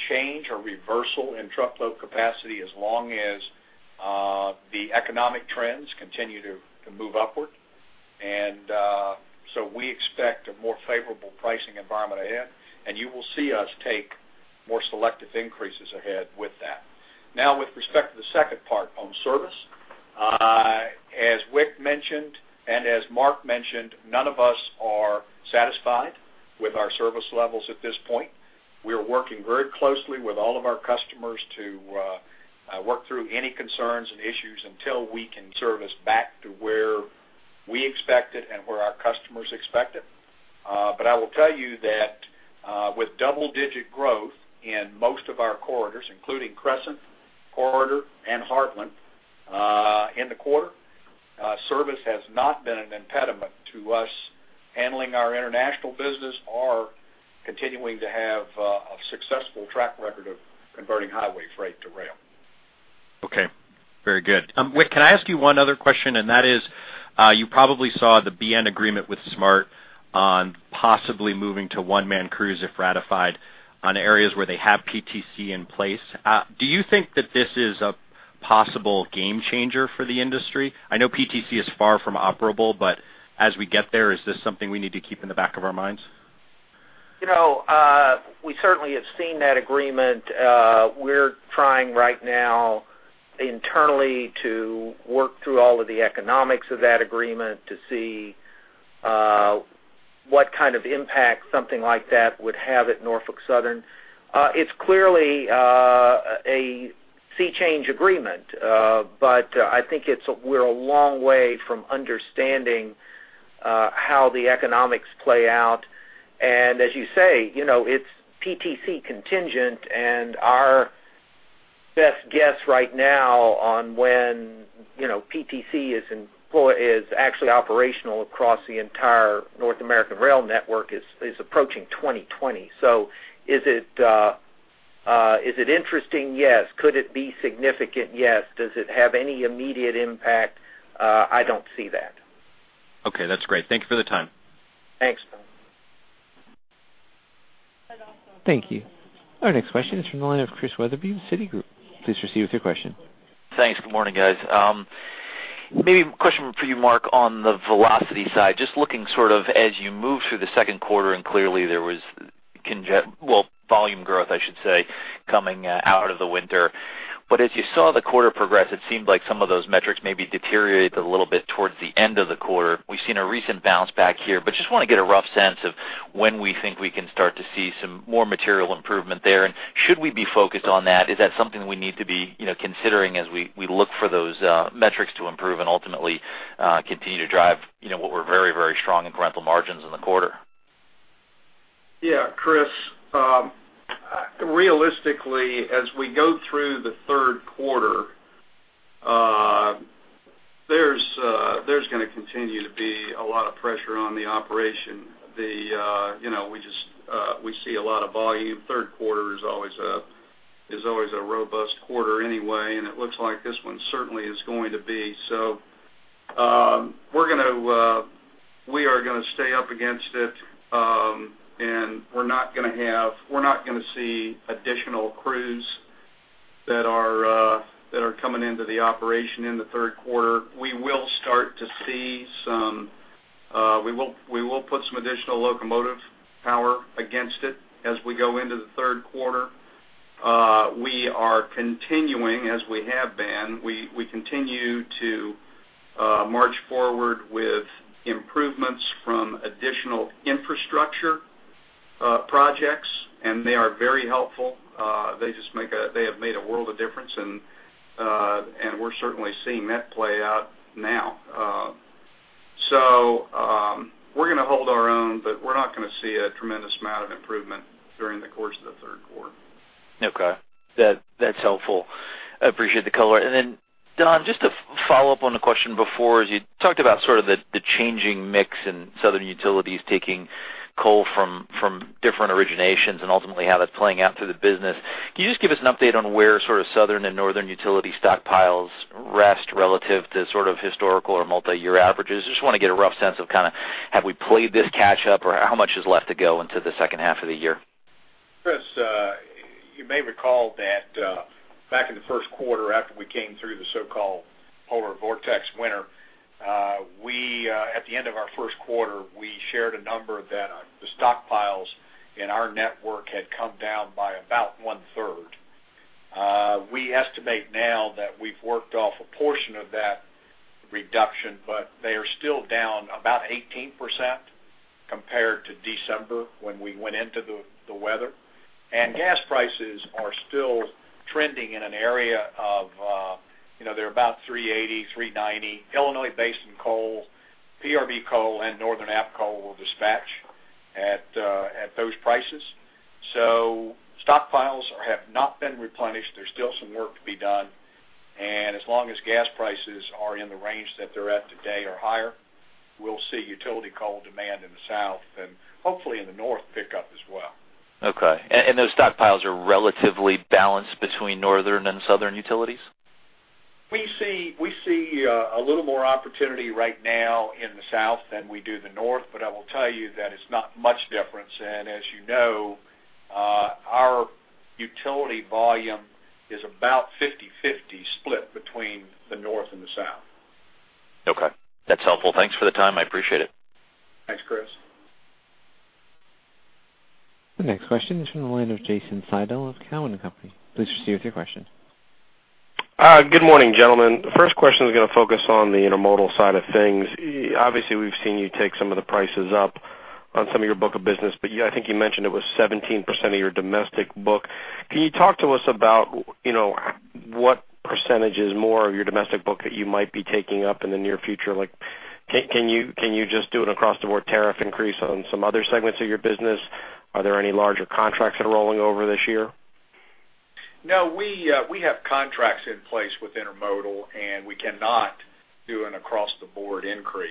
change or reversal in truckload capacity as long as the economic trends continue to move upward. And so we expect a more favorable pricing environment ahead, and you will see us take more selective increases ahead with that. Now, with respect to the second part on service, as Wick mentioned, and as Mark mentioned, none of us are satisfied with our service levels at this point. We are working very closely with all of our customers to work through any concerns and issues until we can service back to where we expect it and where our customers expect it. But I will tell you that, with double-digit growth in most of our corridors, including Crescent Corridor and Heartland, in the quarter, service has not been an impediment to us handling our international business, continuing to have a successful track record of converting highway freight to rail. Okay, very good. Wick, can I ask you one other question? And that is, you probably saw the BN agreement with SMART on possibly moving to one-man crews, if ratified, on areas where they have PTC in place. Do you think that this is a possible game changer for the industry? I know PTC is far from operable, but as we get there, is this something we need to keep in the back of our minds? You know, we certainly have seen that agreement. We're trying right now internally to work through all of the economics of that agreement to see, what kind of impact something like that would have at Norfolk Southern. It's clearly, a sea change agreement, but, I think it's we're a long way from understanding, how the economics play out. And as you say, you know, it's PTC contingent, and our best guess right now on when, you know, PTC is is actually operational across the entire North American rail network, is, approaching 2020. So is it, is it interesting? Yes. Could it be significant? Yes. Does it have any immediate impact? I don't see that. Okay, that's great. Thank you for the time. Thanks. Thank you. Our next question is from the line of Chris Wetherbee with Citigroup. Please proceed with your question. Thanks. Good morning, guys. Maybe a question for you, Mark, on the velocity side. Just looking sort of as you move through the second quarter, and clearly, there was well, volume growth, I should say, coming out of the winter. But as you saw the quarter progress, it seemed like some of those metrics maybe deteriorated a little bit towards the end of the quarter. We've seen a recent bounce back here, but just want to get a rough sense of when we think we can start to see some more material improvement there. And should we be focused on that? Is that something we need to be, you know, considering as we look for those metrics to improve and ultimately continue to drive, you know, what were very, very strong incremental margins in the quarter? Yeah, Chris, realistically, as we go through the third quarter, there's gonna continue to be a lot of pressure on the operation. The, you know, we just, we see a lot of volume. Third quarter is always a, is always a robust quarter anyway, and it looks like this one certainly is going to be. So, we're gonna to, we are gonna stay up against it, and we're not gonna have we're not gonna see additional crews that are, that are coming into the operation in the third quarter. We will start to see some, we will, we will put some additional locomotive power against it as we go into the third quarter. We are continuing, as we have been, we continue to march forward with improvements from additional infrastructure projects, and they are very helpful. They just make a, they have made a world of difference, and we're certainly seeing that play out now. We're gonna hold our own, but we're not gonna see a tremendous amount of improvement during the course of the third quarter. Okay. That, that's helpful. I appreciate the color. And then, Don, just to follow up on the question before, as you talked about sort of the, the changing mix in southern utilities taking coal from, from different originations and ultimately how that's playing out through the business. Can you just give us an update on where sort of southern and northern utility stockpiles rest relative to sort of historical or multi-year averages? I just want to get a rough sense of kind of, have we played this catch up, or how much is left to go into the second half of the year? Chris, you may recall that, back in the first quarter, after we came through the so-called polar vortex winter, we, at the end of our first quarter, we shared a number that, the stockpiles in our network had come down by about one-third. We estimate now that we've worked off a portion of that reduction, but they are still down about 18% compared to December when we went into the, the weather. And gas prices are still trending in an area of, you know, they're about $3.80-$3.90. Illinois Basin coal, PRB coal, and Northern Appalachia coal will dispatch at, at those prices. So stockpiles are, have not been replenished. There's still some work to be done, and as long as gas prices are in the range that they're at today or higher, we'll see utility coal demand in the South and hopefully in the North, pick up as well. Okay. And those stockpiles are relatively balanced between northern and southern utilities? We see a little more opportunity right now in the South than we do the North, but I will tell you that it's not much difference. As you know, our utility volume is about 50/50 split between the North and the South. Okay. That's helpful. Thanks for the time. I appreciate it. Thanks, Chris. The next question is from the line of Jason Seidl of Cowen and Company. Please proceed with your question. Good morning, gentlemen. The first question is gonna focus on the intermodal side of things. Obviously, we've seen you take some of the prices up on some of your book of business, but I think you mentioned it was 17% of your domestic book. Can you talk to us about, you know, what percentage is more of your domestic book that you might be taking up in the near future? Like, can you just do an across-the-board tariff increase on some other segments of your business? Are there any larger contracts that are rolling over this year? No, we have contracts in place with intermodal, and we cannot do an across-the-board increase.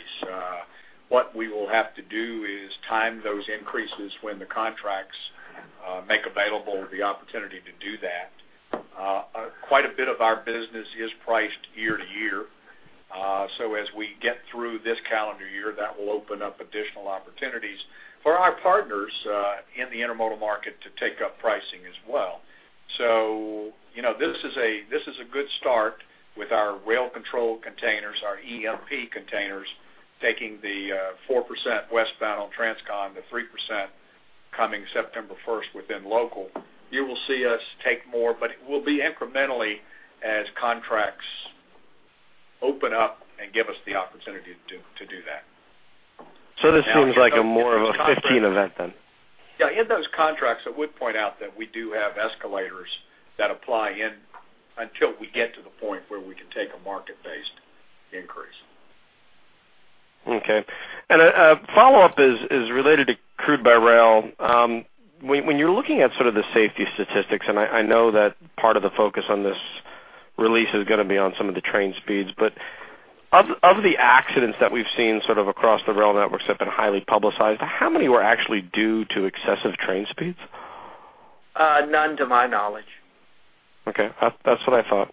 What we will have to do is time those increases when the contracts make available the opportunity to do that. Quite a bit of our business is priced year to year. So as we get through this calendar year, that will open up additional opportunities for our partners in the intermodal market to take up pricing as well. So, you know, this is a good start with our rail-controlled containers, our EMP containers, taking the 4% westbound on Transcon, the 3% coming September first within local. You will see us take more, but it will be incrementally as contracts open up and give us the opportunity to do that. So this seems like more of a 2015 event then? Yeah, in those contracts, I would point out that we do have escalators that apply in until we get to the point where we can take a market-based increase. Okay. And a follow-up is related to crude by rail. When you're looking at sort of the safety statistics, and I know that part of the focus on this release is gonna be on some of the train speeds, but of the accidents that we've seen sort of across the rail networks have been highly publicized, how many were actually due to excessive train speeds? None, to my knowledge. Okay, that's what I thought.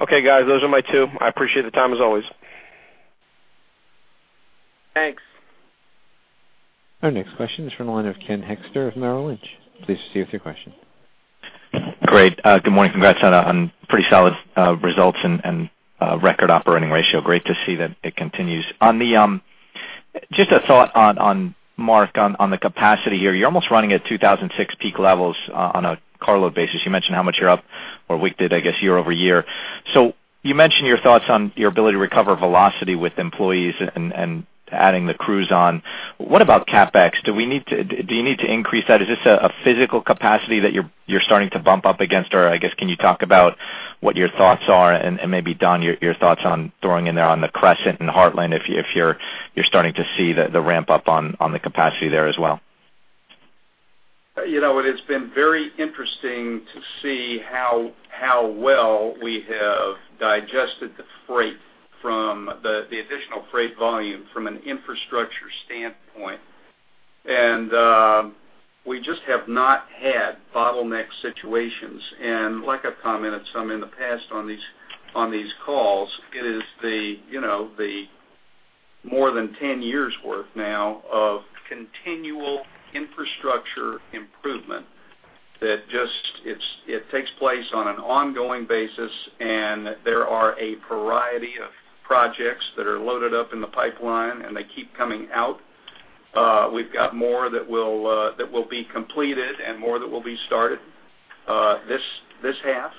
Okay, guys, those are my two. I appreciate the time, as always. Thanks. Our next question is from the line of Ken Hoexter of Merrill Lynch. Please proceed with your question. Great. Good morning. Congrats on, on pretty solid, results and, and, record operating ratio. Great to see that it continues. On the, just a thought on, on Mark, on, on the capacity here. You're almost running at 2006 peak levels, on a carload basis. You mentioned how much you're up or we did, I guess, year-over-year. So you mentioned your thoughts on your ability to recover velocity with employees and, and adding the crews on. What about CapEx? Do we need to- do you need to increase that? Is this a, a physical capacity that you're, you're starting to bump up against, or I guess, can you talk about what your thoughts are? And maybe, Don, your thoughts on throwing in there on the Crescent and Heartland, if you're starting to see the ramp up on the capacity there as well. You know, it has been very interesting to see how well we have digested the freight from the additional freight volume from an infrastructure standpoint. And we just have not had bottleneck situations. And like I've commented some in the past on these calls, it is the, you know, the more than 10 years' worth now of continual infrastructure improvement that it takes place on an ongoing basis, and there are a variety of projects that are loaded up in the pipeline, and they keep coming out. We've got more that will be completed and more that will be started this half.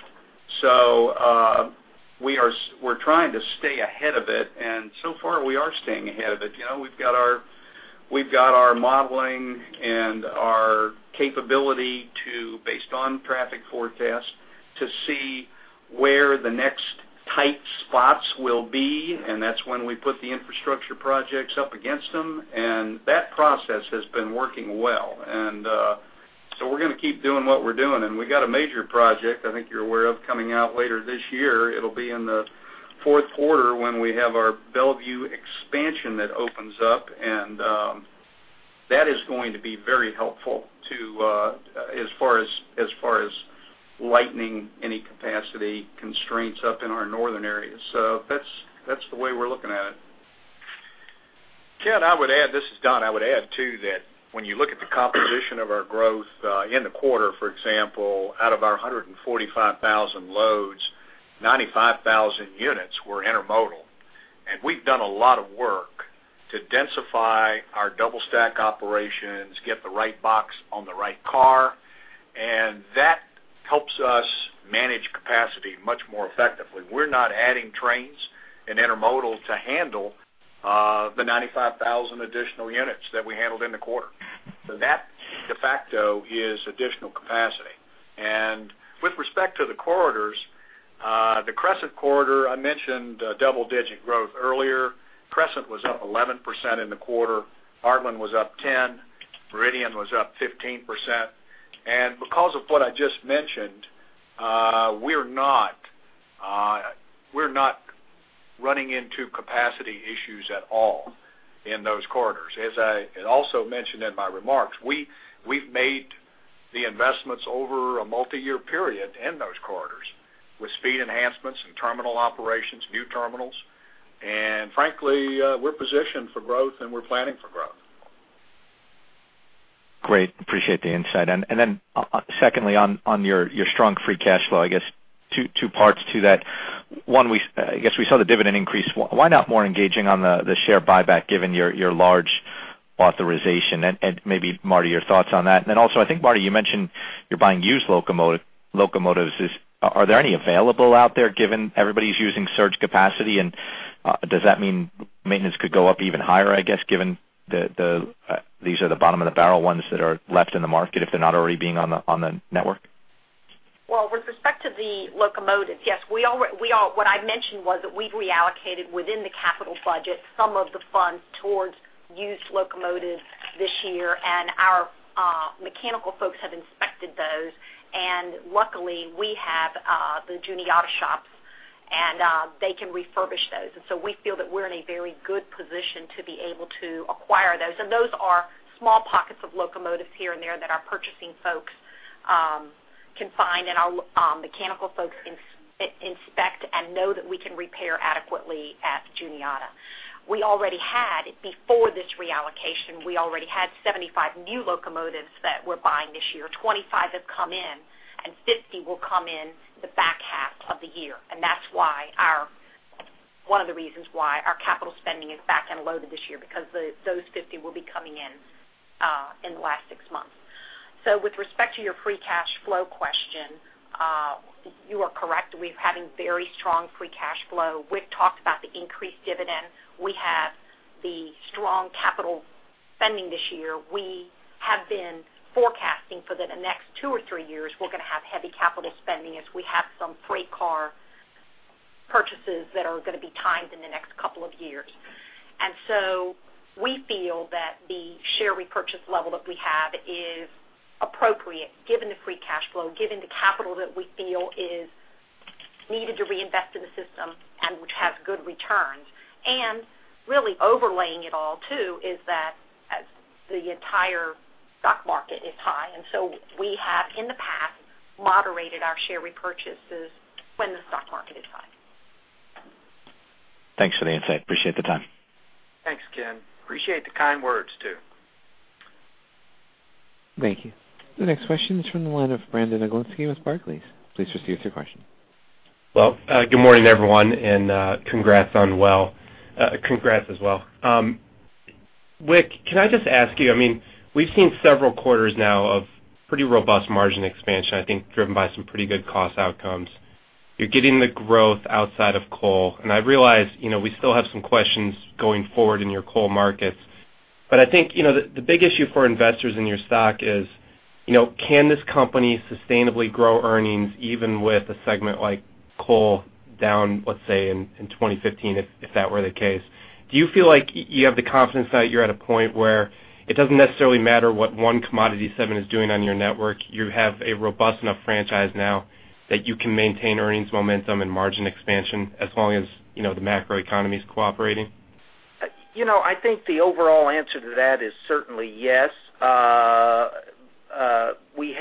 So we're trying to stay ahead of it, and so far, we are staying ahead of it. You know, we've got our, we've got our modeling and our capability to, based on traffic forecast, to see where the next tight spots will be, and that's when we put the infrastructure projects up against them, and that process has been working well. And, so we're gonna keep doing what we're doing, and we got a major project I think you're aware of, coming out later this year. It'll be in the fourth quarter when we have our Bellevue expansion that opens up, and, that is going to be very helpful to, as far as, as far as lightening any capacity constraints up in our northern areas. So that's, that's the way we're looking at it. Ken, I would add, this is Don. I would add, too, that when you look at the composition of our growth in the quarter, for example, out of our 145,000 loads, 95,000 units were intermodal. And we've done a lot of work to densify our double-stack operations, get the right box on the right car, and that helps us manage capacity much more effectively. We're not adding trains and intermodal to handle the 95,000 additional units that we handled in the quarter. So that, de facto, is additional capacity. And with respect to the corridors, the Crescent Corridor, I mentioned double-digit growth earlier. Crescent was up 11% in the quarter. Heartland was up 10%, Meridian was up 15%. And because of what I just mentioned, we're not running into capacity issues at all in those corridors. As I had also mentioned in my remarks, we, we've made the investments over a multiyear period in those corridors with speed enhancements and terminal operations, new terminals, and frankly, we're positioned for growth, and we're planning for growth. Great. Appreciate the insight. And then, secondly, on your strong free cash flow, I guess two parts to that. One, we, I guess we saw the dividend increase. Why not more engaging on the share buyback, given your large authorization? And maybe, Marta, your thoughts on that. And then also, I think, Marta, you mentioned you're buying used locomotives. Are there any available out there, given everybody's using surge capacity? And does that mean maintenance could go up even higher, I guess, given these are the bottom of the barrel ones that are left in the market, if they're not already being on the network? Well, with respect to the locomotives, yes, what I mentioned was that we've reallocated within the capital budget some of the funds towards used locomotives this year, and our mechanical folks have inspected those, and luckily, we have the Juniata Shops, and they can refurbish those. And so we feel that we're in a very good position to be able to acquire those. And those are small pockets of locomotives here and there that our purchasing folks can find and our mechanical folks inspect and know that we can repair adequately at Juniata. We already had, before this reallocation, we already had 75 new locomotives that we're buying this year. 25 have come in, and 50 will come in the back half of the year, and that's why our one of the reasons why our capital spending is back end loaded this year, because those 50 will be coming in in the last six months. So with respect to your free cash flow question, you are correct. We're having very strong free cash flow. Wick talked about the increased dividend. We have the strong capital spending this year. We have been forecasting for the next 2 or 3 years, we're gonna have heavy capital spending as we have some freight car purchases that are gonna be timed in the next couple of years. And so we feel that the share repurchase level that we have is appropriate given the free cash flow, given the capital that we feel is needed to reinvest in the system and which has good returns. And really overlaying it all, too, is that as the entire stock market is high, and so we have, in the past, moderated our share repurchases when the stock market is high. Thanks for the insight. Appreciate the time. Thanks, Ken. Appreciate the kind words, too. Thank you. The next question is from the line of Brandon Oglenski with Barclays. Please proceed with your question. Well, good morning, everyone, and congrats as well. Wick, can I just ask you? I mean, we've seen several quarters now of pretty robust margin expansion, I think driven by some pretty good cost outcomes. You're getting the growth outside of coal, and I realize, you know, we still have some questions going forward in your coal markets. But I think, you know, the big issue for investors in your stock is, you know, can this company sustainably grow earnings even with a segment like coal down, let's say, in 2015, if that were the case? Do you feel like you have the confidence that you're at a point where it doesn't necessarily matter what one commodity segment is doing on your network, you have a robust enough franchise now that you can maintain earnings momentum and margin expansion as long as, you know, the macro economy is cooperating? You know, I think the overall answer to that is certainly yes. We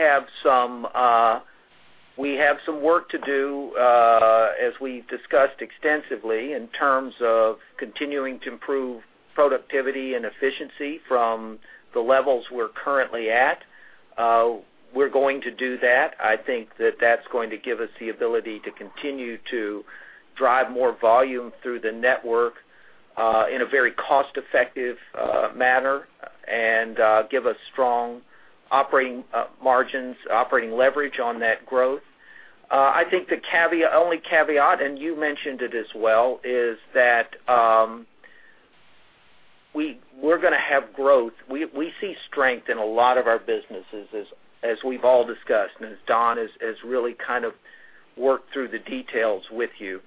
have some work to do, as we discussed extensively, in terms of continuing to improve productivity and efficiency from the levels we're currently at. We're going to do that. I think that that's going to give us the ability to continue to drive more volume through the network, in a very cost-effective manner and, give us strong operating margins, operating leverage on that growth. I think the caveat, only caveat, and you mentioned it as well, is that, we're gonna have growth. We see strength in a lot of our businesses as we've all discussed, and as Don has really kind of worked through the details with you.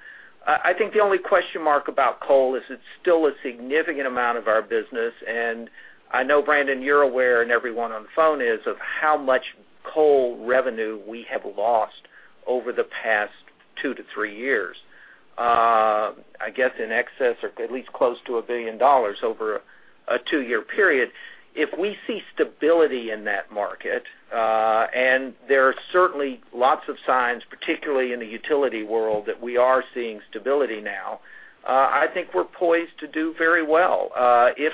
I think the only question mark about coal is it's still a significant amount of our business, and I know, Brandon, you're aware, and everyone on the phone is, of how much coal revenue we have lost over the past 2-3 years. I guess in excess or at least close to $1 billion over a 2-year period. If we see stability in that market, and there are certainly lots of signs, particularly in the utility world, that we are seeing stability now, I think we're poised to do very well. If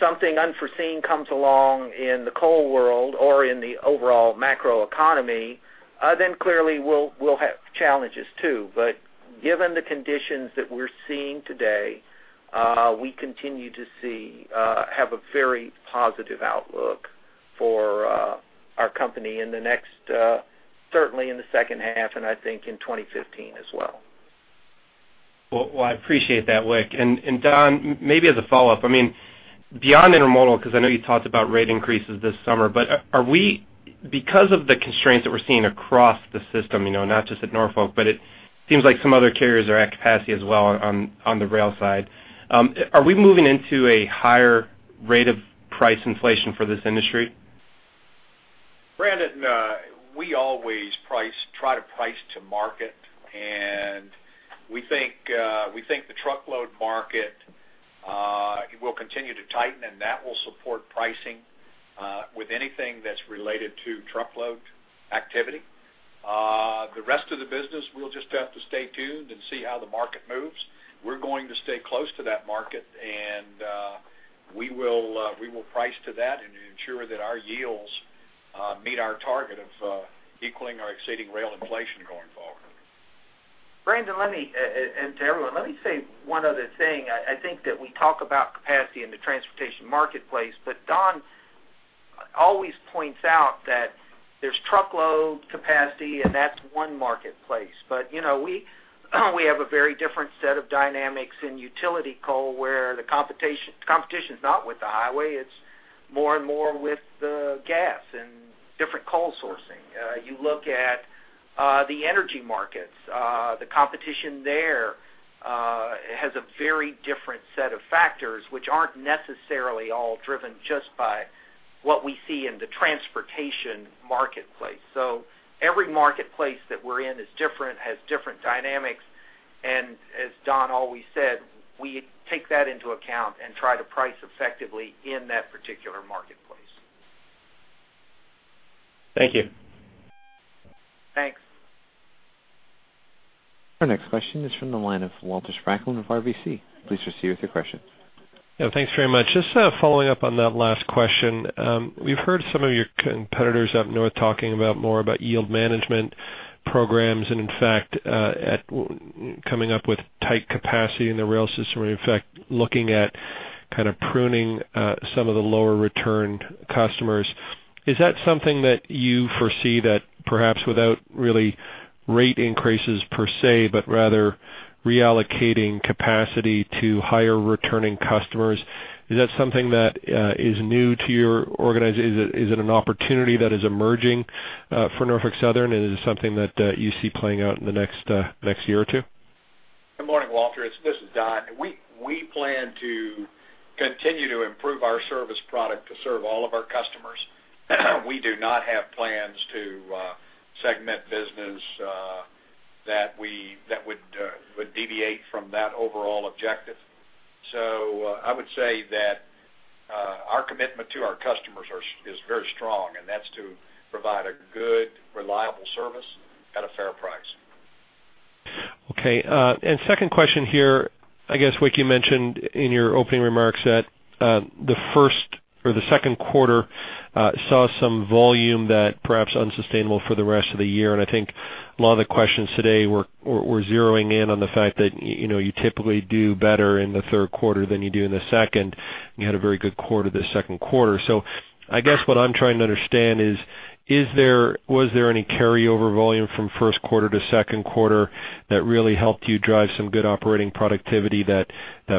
something unforeseen comes along in the coal world or in the overall macroeconomy, then clearly, we'll have challenges, too. But given the conditions that we're seeing today, we continue to see, have a very positive outlook for, our company in the next, certainly in the second half, and I think in 2015 as well. Well, I appreciate that, Wick. And Don, maybe as a follow-up, I mean, beyond intermodal, because I know you talked about rate increases this summer, but are we, because of the constraints that we're seeing across the system, you know, not just at Norfolk, but it seems like some other carriers are at capacity as well on the rail side, are we moving into a higher rate of price inflation for this industry? Brandon, we always price, try to price to market, and we think, we think the truckload market will continue to tighten, and that will support pricing with anything that's related to truckload activity. The rest of the business, we'll just have to stay tuned and see how the market moves. We're going to stay close to that market, and we will, we will price to that and ensure that our yields meet our target of equaling or exceeding rail inflation going forward. Brandon, let me, and to everyone, let me say one other thing. I think that we talk about capacity in the transportation marketplace, but Don always points out that there's truckload capacity, and that's one marketplace. But, you know, we have a very different set of dynamics in utility coal, where the competition is not with the highway, it's more and more with the gas and different coal sourcing. You look at the energy markets, the competition there has a very different set of factors, which aren't necessarily all driven just by what we see in the transportation marketplace. So every marketplace that we're in is different, has different dynamics, and as Don always said, we take that into account and try to price effectively in that particular marketplace. Thank you. Thanks. Our next question is from the line of Walter Spracklin of RBC Capital Markets. Please proceed with your question. Yeah, thanks very much. Just, following up on that last question, we've heard some of your competitors up north talking about more about yield management programs, and in fact, coming up with tight capacity in the rail system, where in fact, looking at kind of pruning some of the lower returned customers. Is that something that you foresee that perhaps without really rate increases per se, but rather reallocating capacity to higher returning customers, is that something that is new to your organization? Is it, is it an opportunity that is emerging for Norfolk Southern, and is it something that you see playing out in the next, next year or two? Good morning, Walter. This is Don. We plan to continue to improve our service product to serve all of our customers. We do not have plans to segment business that would deviate from that overall objective. So I would say that our commitment to our customers are, is very strong, and that's to provide a good, reliable service at a fair price. Okay, and second question here. I guess, Wick, you mentioned in your opening remarks that, the first or the second quarter, saw some volume that perhaps unsustainable for the rest of the year, and I think a lot of the questions today were zeroing in on the fact that, you know, you typically do better in the third quarter than you do in the second. You had a very good quarter this second quarter. So I guess what I'm trying to understand is, was there any carryover volume from first quarter to second quarter that really helped you drive some good operating productivity that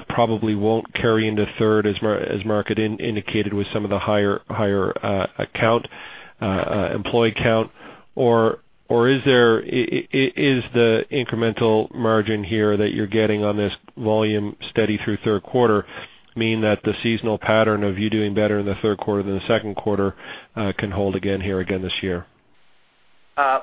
probably won't carry into third, as Mark indicated, with some of the higher headcount? Or is there the incremental margin here that you're getting on this volume steady through third quarter, mean that the seasonal pattern of you doing better in the third quarter than the second quarter can hold again here again this year?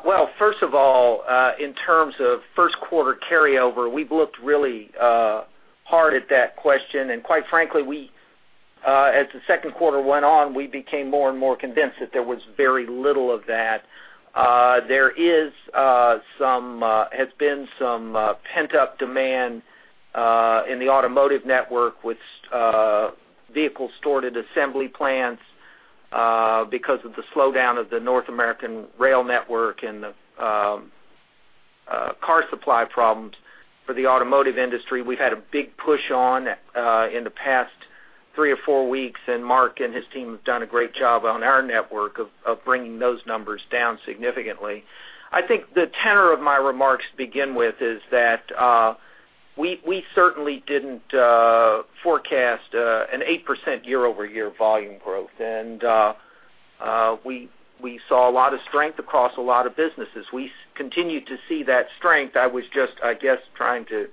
Well, first of all, in terms of first quarter carryover, we've looked really hard at that question, and quite frankly, we, as the second quarter went on, we became more and more convinced that there was very little of that. There has been some pent-up demand in the automotive network with vehicles stored at assembly plants because of the slowdown of the North American rail network and the car supply problems for the automotive industry. We've had a big push on in the past 3 or 4 weeks, and Mark and his team have done a great job on our network of bringing those numbers down significantly. I think the tenor of my remarks to begin with is that, we certainly didn't forecast an 8% year-over-year volume growth, and we saw a lot of strength across a lot of businesses. We continued to see that strength. I was just, I guess, trying to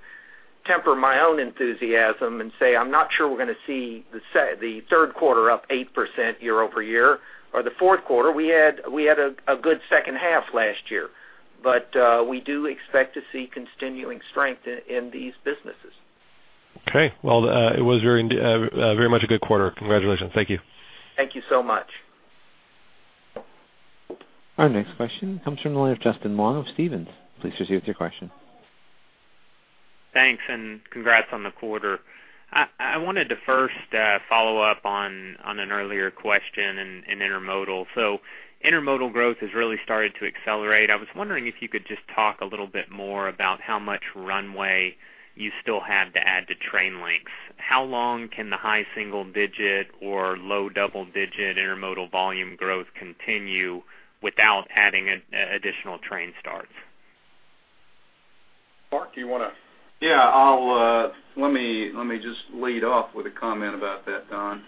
temper my own enthusiasm and say, I'm not sure we're going to see the third quarter up 8% year-over-year or the fourth quarter. We had a good second half last year, but we do expect to see continuing strength in these businesses. Okay. Well, it was very, very much a good quarter. Congratulations. Thank you. Thank you so much. Our next question comes from the line of Justin Long of Stephens. Please proceed with your question. Thanks, and congrats on the quarter. I wanted to first follow up on an earlier question in Intermodal. So Intermodal growth has really started to accelerate. I was wondering if you could just talk a little bit more about how much runway you still have to add to train lengths. How long can the high single digit or low double digit Intermodal volume growth continue without adding an additional train starts? Mark, do you want to- Yeah, I'll let me just lead off with a comment about that, Don.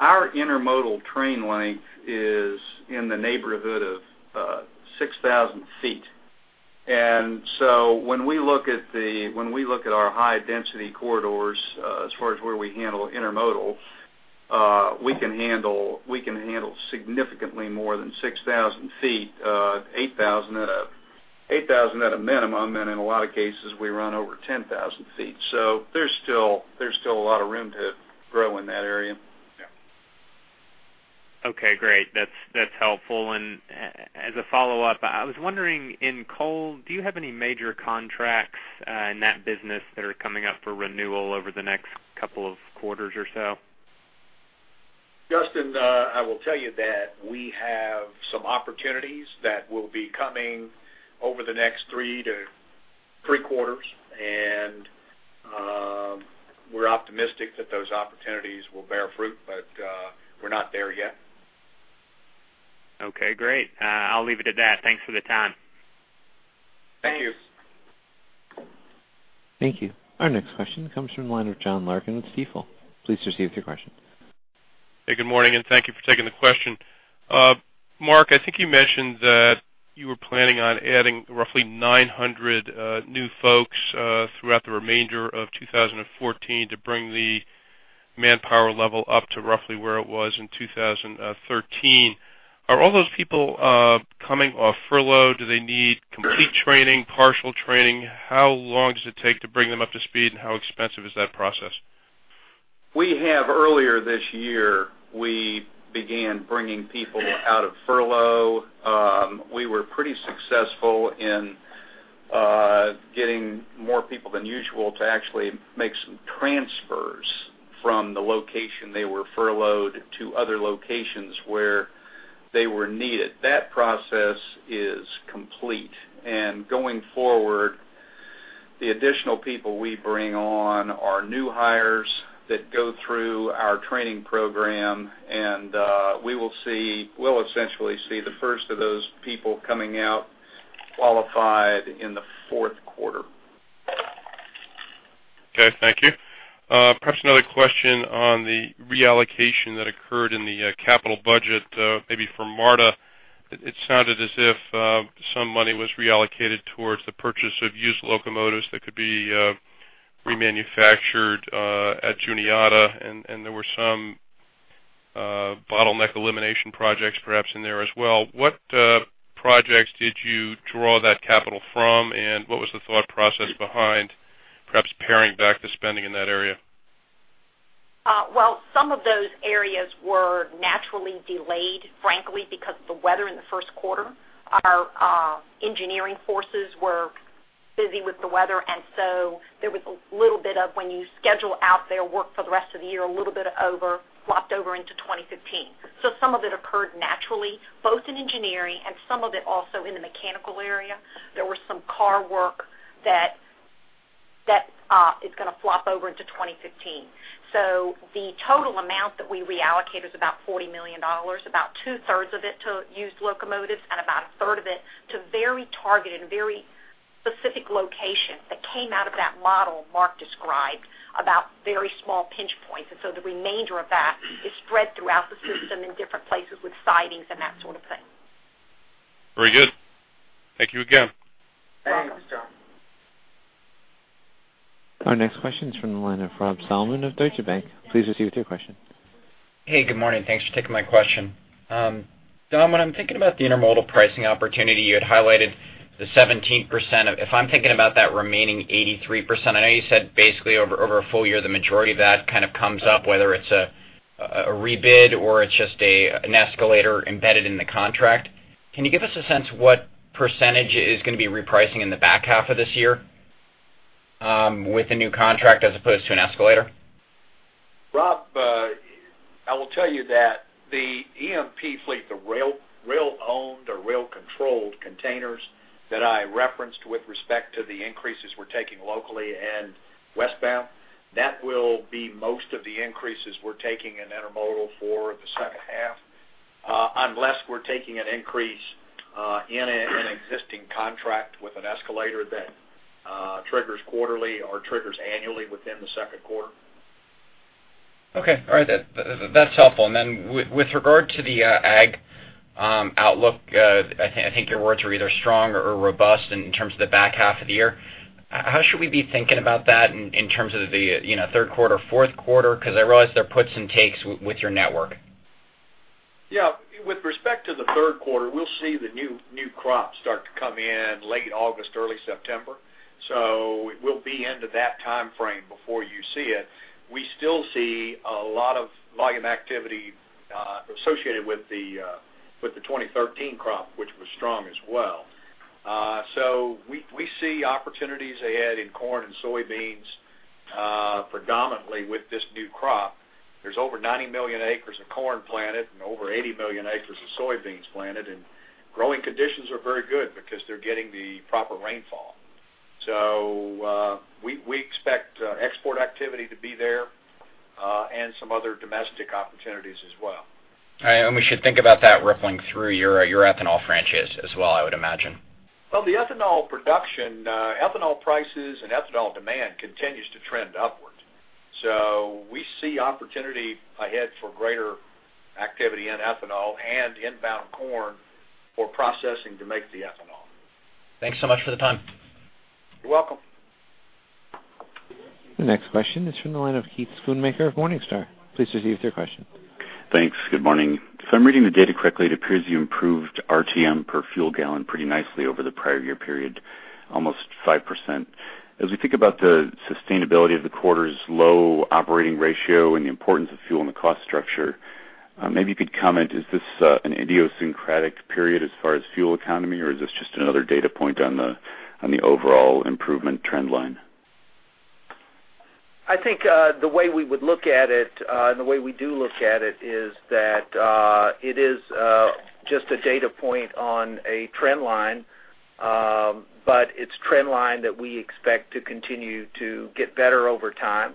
Our Intermodal train length is in the neighborhood of 6,000 feet. And so when we look at our high-density corridors, as far as where we handle Intermodal, we can handle significantly more than 6,000 feet, 8,000 at a minimum, and in a lot of cases, we run over 10,000 feet. So there's still a lot of room to grow in that area. Yeah. Okay, great. That's, that's helpful. As a follow-up, I was wondering, in coal, do you have any major contracts in that business that are coming up for renewal over the next couple of quarters or so? Justin, I will tell you that we have some opportunities that will be coming over the next three-to-three quarters, and we're optimistic that those opportunities will bear fruit, but we're not there yet. Okay, great. I'll leave it at that. Thanks for the time. Thank you. Thank you. Our next question comes from the line of John Larkin with Stifel. Please proceed with your question. Hey, good morning, and thank you for taking the question. Mark, I think you mentioned that you were planning on adding roughly 900 new folks throughout the remainder of 2014 to bring the manpower level up to roughly where it was in 2013. Are all those people coming off furlough? Do they need complete training, partial training? How long does it take to bring them up to speed, and how expensive is that process? Earlier this year, we began bringing people out of furlough. We were pretty successful in getting more people than usual to actually make some transfers from the location they were furloughed to other locations where they were needed. That process is complete, and going forward, the additional people we bring on are new hires that go through our training program, and we will see, we'll essentially see the first of those people coming out qualified in the fourth quarter. Okay, thank you. Perhaps another question on the reallocation that occurred in the capital budget, maybe for Marta. It sounded as if some money was reallocated towards the purchase of used locomotives that could be remanufactured at Juniata, and there were some bottleneck elimination projects perhaps in there as well. What projects did you draw that capital from, and what was the thought process behind perhaps paring back the spending in that area? Well, some of those areas were naturally delayed, frankly, because of the weather in the first quarter. Our engineering forces were busy with the weather, and so there was a little bit of when you schedule out their work for the rest of the year, a little bit of over, flopped over into 2015. So some of it occurred naturally, both in engineering and some of it also in the mechanical area. There were some car work that is gonna flop over into 2015. So the total amount that we reallocated is about $40 million, about two-thirds of it to used locomotives and about a third of it to very targeted, very specific locations that came out of that model Mark described, about very small pinch points. The remainder of that is spread throughout the system in different places with sidings and that sort of thing. Very good. Thank you again. You're welcome. Thanks, John. Our next question is from the line of Rob Salmon of Deutsche Bank. Please proceed with your question. Hey, good morning. Thanks for taking my question. Tom, when I'm thinking about the intermodal pricing opportunity, you had highlighted the 17%. If I'm thinking about that remaining 83%, I know you said basically over a full year, the majority of that kind of comes up, whether it's a rebid or it's just an escalator embedded in the contract. Can you give us a sense what percentage is going to be repricing in the back half of this year with a new contract as opposed to an escalator? Rob, I will tell you that the EMP fleet, the rail-owned or rail-controlled containers that I referenced with respect to the increases we're taking locally and westbound, that will be most of the increases we're taking in intermodal for the second half, unless we're taking an increase in an existing contract with an escalator that triggers quarterly or triggers annually within the second quarter. Okay, all right, that's helpful. And then with regard to the ag outlook, I think your words were either strong or robust in terms of the back half of the year. How should we be thinking about that in terms of the, you know, third quarter, fourth quarter? Because I realize there are puts and takes with your network. Yeah, with respect to the third quarter, we'll see the new crops start to come in late August, early September. So we'll be into that time frame before you see it. We still see a lot of volume activity associated with the 2013 crop, which was strong as well. So we see opportunities ahead in corn and soybeans, predominantly with this new crop. There's over 90 million acres of corn planted and over 80 million acres of soybeans planted, and growing conditions are very good because they're getting the proper rainfall. So we expect export activity to be there and some other domestic opportunities as well. We should think about that rippling through your, your ethanol franchise as well, I would imagine. Well, the ethanol production, ethanol prices and ethanol demand continues to trend upwards. So we see opportunity ahead for greater activity in ethanol and inbound corn for processing to make the ethanol. Thanks so much for the time. You're welcome. The next question is from the line of Keith Schoonmaker of Morningstar. Please proceed with your question. Thanks. Good morning. If I'm reading the data correctly, it appears you improved RTM per fuel gallon pretty nicely over the prior year period, almost 5%. As we think about the sustainability of the quarter's low operating ratio and the importance of fuel in the cost structure, maybe you could comment, is this an idiosyncratic period as far as fuel economy, or is this just another data point on the overall improvement trend line? I think, the way we would look at it, and the way we do look at it, is that, it is, just a data point on a trend line. But it's trend line that we expect to continue to get better over time.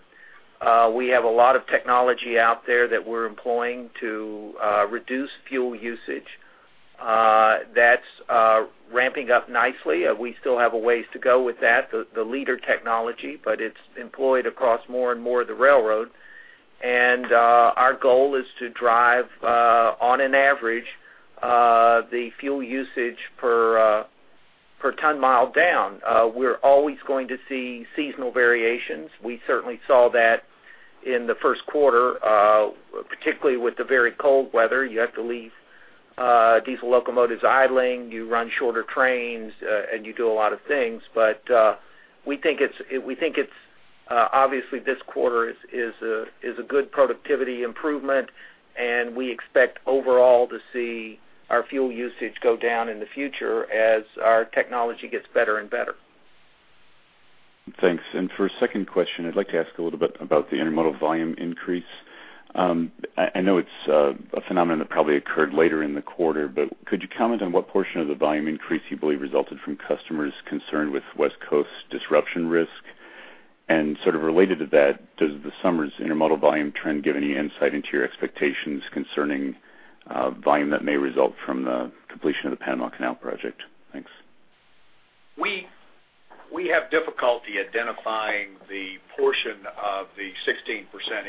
We have a lot of technology out there that we're employing to reduce fuel usage. That's ramping up nicely. We still have a ways to go with that, the LEADER technology, but it's employed across more and more of the railroad. And our goal is to drive, on an average, the fuel usage per ton mile down. We're always going to see seasonal variations. We certainly saw that in the first quarter, particularly with the very cold weather. You have to leave diesel locomotives idling, you run shorter trains, and you do a lot of things. But we think it's obviously this quarter is a good productivity improvement, and we expect overall to see our fuel usage go down in the future as our technology gets better and better. Thanks. And for a second question, I'd like to ask a little bit about the intermodal volume increase. I know it's a phenomenon that probably occurred later in the quarter, but could you comment on what portion of the volume increase you believe resulted from customers concerned with West Coast disruption risk? And sort of related to that, does the summer's intermodal volume trend give any insight into your expectations concerning volume that may result from the completion of the Panama Canal project? Thanks. We have difficulty identifying the portion of the 16%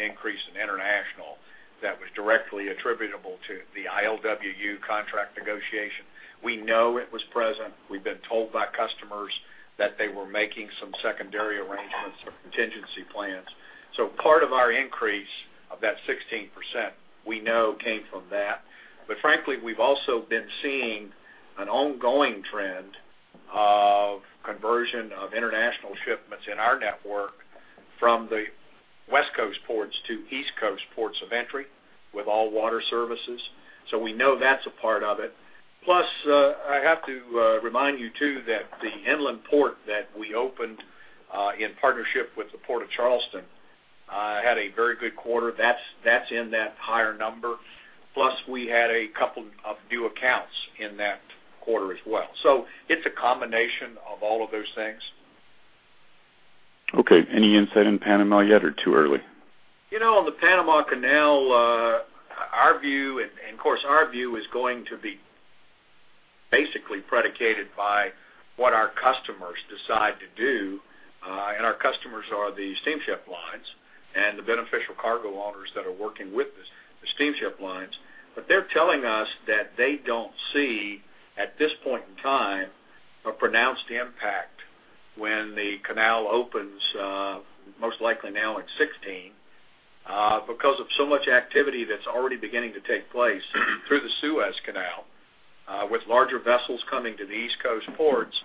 increase in international that was directly attributable to the ILWU contract negotiation. We know it was present. We've been told by customers that they were making some secondary arrangements or contingency plans. So part of our increase, of that 16%, we know came from that. But frankly, we've also been seeing an ongoing trend of conversion of international shipments in our network from the West Coast ports to East Coast ports of entry with all water services, so we know that's a part of it. Plus, I have to remind you, too, that the inland port that we opened in partnership with the Port of Charleston had a very good quarter. That's in that higher number. Plus, we had a couple of new accounts in that quarter as well. It's a combination of all of those things. Okay, any insight in Panama yet, or too early? You know, on the Panama Canal, our view, and of course, our view is going to be basically predicated by what our customers decide to do, and our customers are the steamship lines and the beneficial cargo owners that are working with the steamship lines. But they're telling us that they don't see, at this point in time, a pronounced impact when the canal opens, most likely now in 2016, because of so much activity that's already beginning to take place through the Suez Canal, with larger vessels coming to the East Coast ports,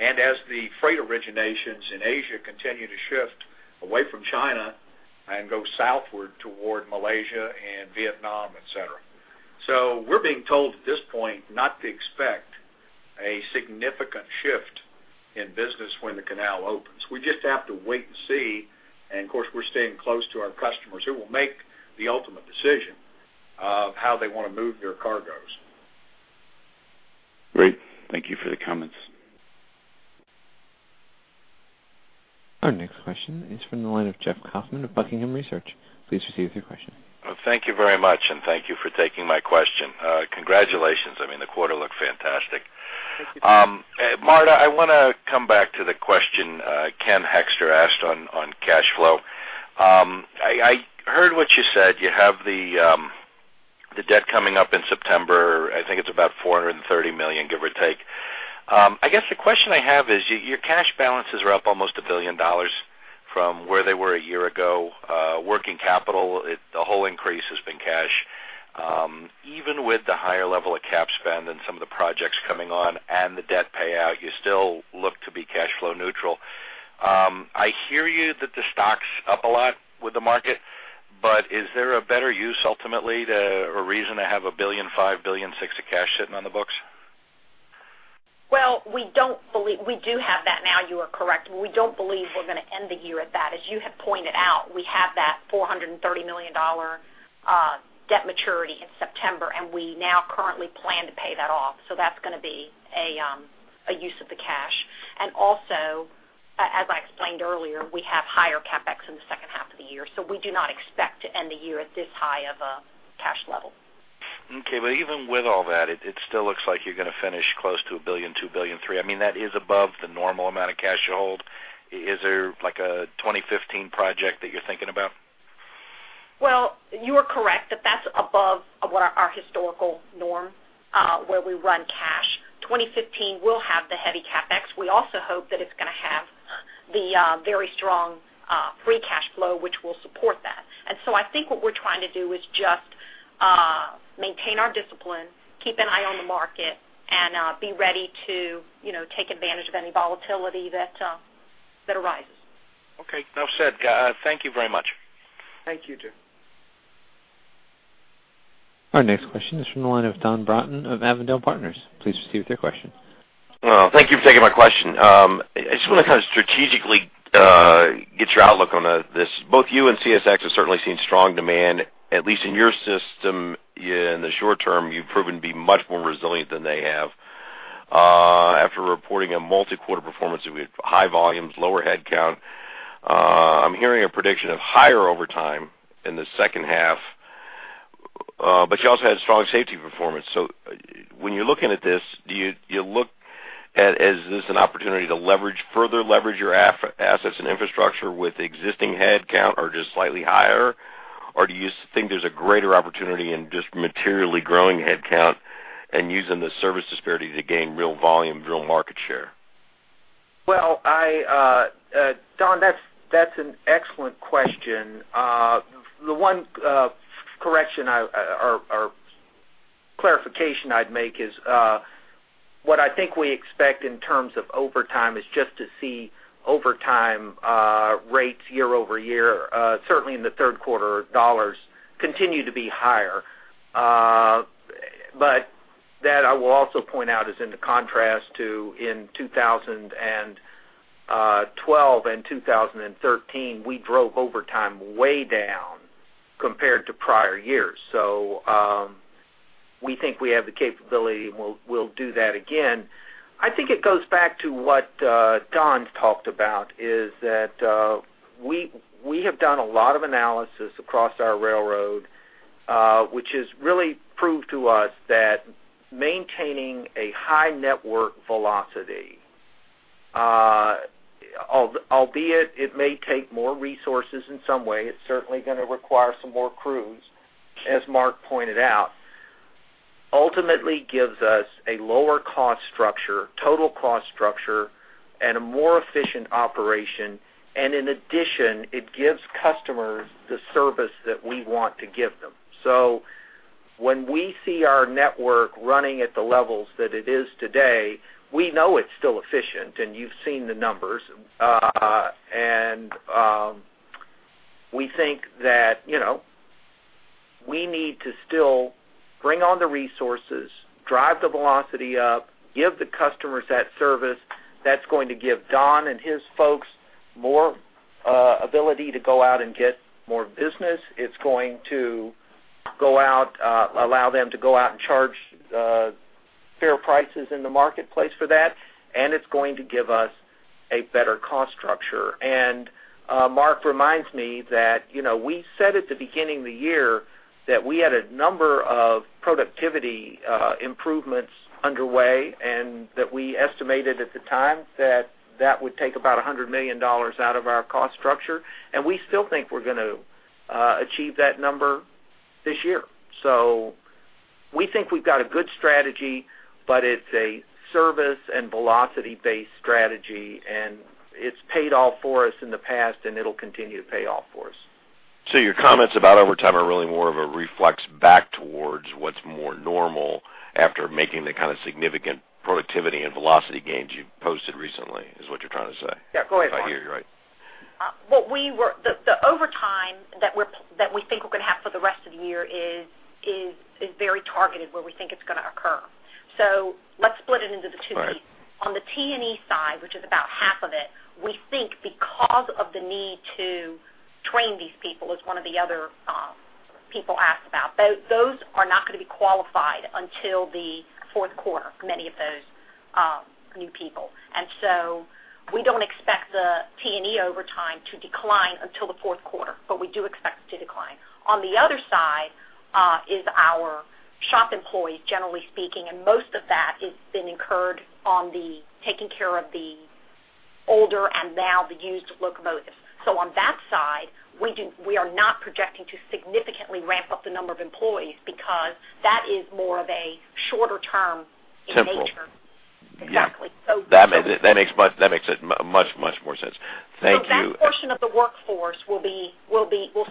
and as the freight originations in Asia continue to shift away from China and go southward toward Malaysia and Vietnam, et cetera. So we're being told at this point not to expect a significant shift in business when the canal opens. We just have to wait and see. Of course, we're staying close to our customers who will make the ultimate decision of how they want to move their cargoes. Great. Thank you for the comments. Our next question is from the line of Jeff Kauffman of Buckingham Research. Please proceed with your question. Thank you very much, and thank you for taking my question. Congratulations. I mean, the quarter looked fantastic. Thank you. Marta, I want to come back to the question Ken Hoexter asked on cash flow. I heard what you said. You have the debt coming up in September. I think it's about $430 million, give or take. I guess the question I have is, your cash balances are up almost $1 billion from where they were a year ago. Working capital, the whole increase has been cash. I hear you that the stock's up a lot with the market, but is there a better use, ultimately, to or a reason to have $1 billion, $5 billion, $6 billion of cash sitting on the books? Well, we don't believe we do have that now, you are correct, but we don't believe we're going to end the year at that. As you have pointed out, we have that $430 million debt maturity in September, and we now currently plan to pay that off. So that's going to be a use of the cash. And also, as I explained earlier, we have higher CapEx in the second half of the year, so we do not expect to end the year at this high of a cash level. Okay, but even with all that, it still looks like you're going to finish close to $1 billion, $2 billion, $3 billion. I mean, that is above the normal amount of cash you hold. Is there like a 2015 project that you're thinking about? Well, you are correct that that's above what our historical norm, where we run cash. 2015 will have the heavy CapEx. We also hope that it's going to have the very strong free cash flow, which will support that. And so I think what we're trying to do is just maintain our discipline, keep an eye on the market, and be ready to, you know, take advantage of any volatility that that arises. Okay, well said. Thank you very much. Thank you, Jeff. Our next question is from the line of Don Broughton of Avondale Partners. Please proceed with your question. Well, thank you for taking my question. I just want to kind of strategically get your outlook on this. Both you and CSX have certainly seen strong demand, at least in your system. In the short term, you've proven to be much more resilient than they have. After reporting a multi-quarter performance that we had high volumes, lower headcount, I'm hearing a prediction of higher overtime in the second half, but you also had strong safety performance. So when you're looking at this, do you look at, is this an opportunity to leverage, further leverage your assets and infrastructure with existing headcount or just slightly higher? Or do you think there's a greater opportunity in just materially growing headcount and using the service disparity to gain real volume, real market share? Well, I, Don, that's an excellent question. The one correction or clarification I'd make is what I think we expect in terms of overtime is just to see overtime rates year-over-year, certainly in the third quarter dollars, continue to be higher. But that I will also point out is in contrast to in 2012 and 2013, we drove overtime way down compared to prior years. So, we think we have the capability, and we'll do that again. I think it goes back to what Don talked about, is that we have done a lot of analysis across our railroad, which has really proved to us that maintaining a high network velocity, albeit it may take more resources in some way, it's certainly going to require some more crews, as Mark pointed out, ultimately gives us a lower cost structure, total cost structure and a more efficient operation. And in addition, it gives customers the service that we want to give them. So when we see our network running at the levels that it is today, we know it's still efficient, and you've seen the numbers. And we think that, you know, we need to still bring on the resources, drive the velocity up, give the customers that service. That's going to give Don and his folks more ability to go out and get more business. It's going to allow them to go out and charge fair prices in the marketplace for that, and it's going to give us a better cost structure. And Mark reminds me that, you know, we said at the beginning of the year that we had a number of productivity improvements underway, and that we estimated at the time that that would take about $100 million out of our cost structure, and we still think we're going to achieve that number this year. So we think we've got a good strategy, but it's a service and velocity-based strategy, and it's paid off for us in the past, and it'll continue to pay off for us. So your comments about overtime are really more of a reflex back towards what's more normal after making the kind of significant productivity and velocity gains you've posted recently, is what you're trying to say? Yeah, go ahead, Mark. If I hear you right. The overtime that we think we're going to have for the rest of the year is very targeted where we think it's going to occur. So let's split it into the two pieces. Right. On the T&E side, which is about half of it, we think because of the need to train these people, as one of the other people asked about, those are not going to be qualified until the fourth quarter, many of those new people. And so we don't expect the T&E overtime to decline until the fourth quarter, but we do expect it to decline. On the other side is our shop employees, generally speaking, and most of that has been incurred on the taking care of the older and now the used locomotives. So on that side, we are not projecting to significantly ramp up the number of employees because that is more of a shorter term in nature. Temporary. Exactly. Yeah, that makes much more sense. Thank you. So that portion of the workforce will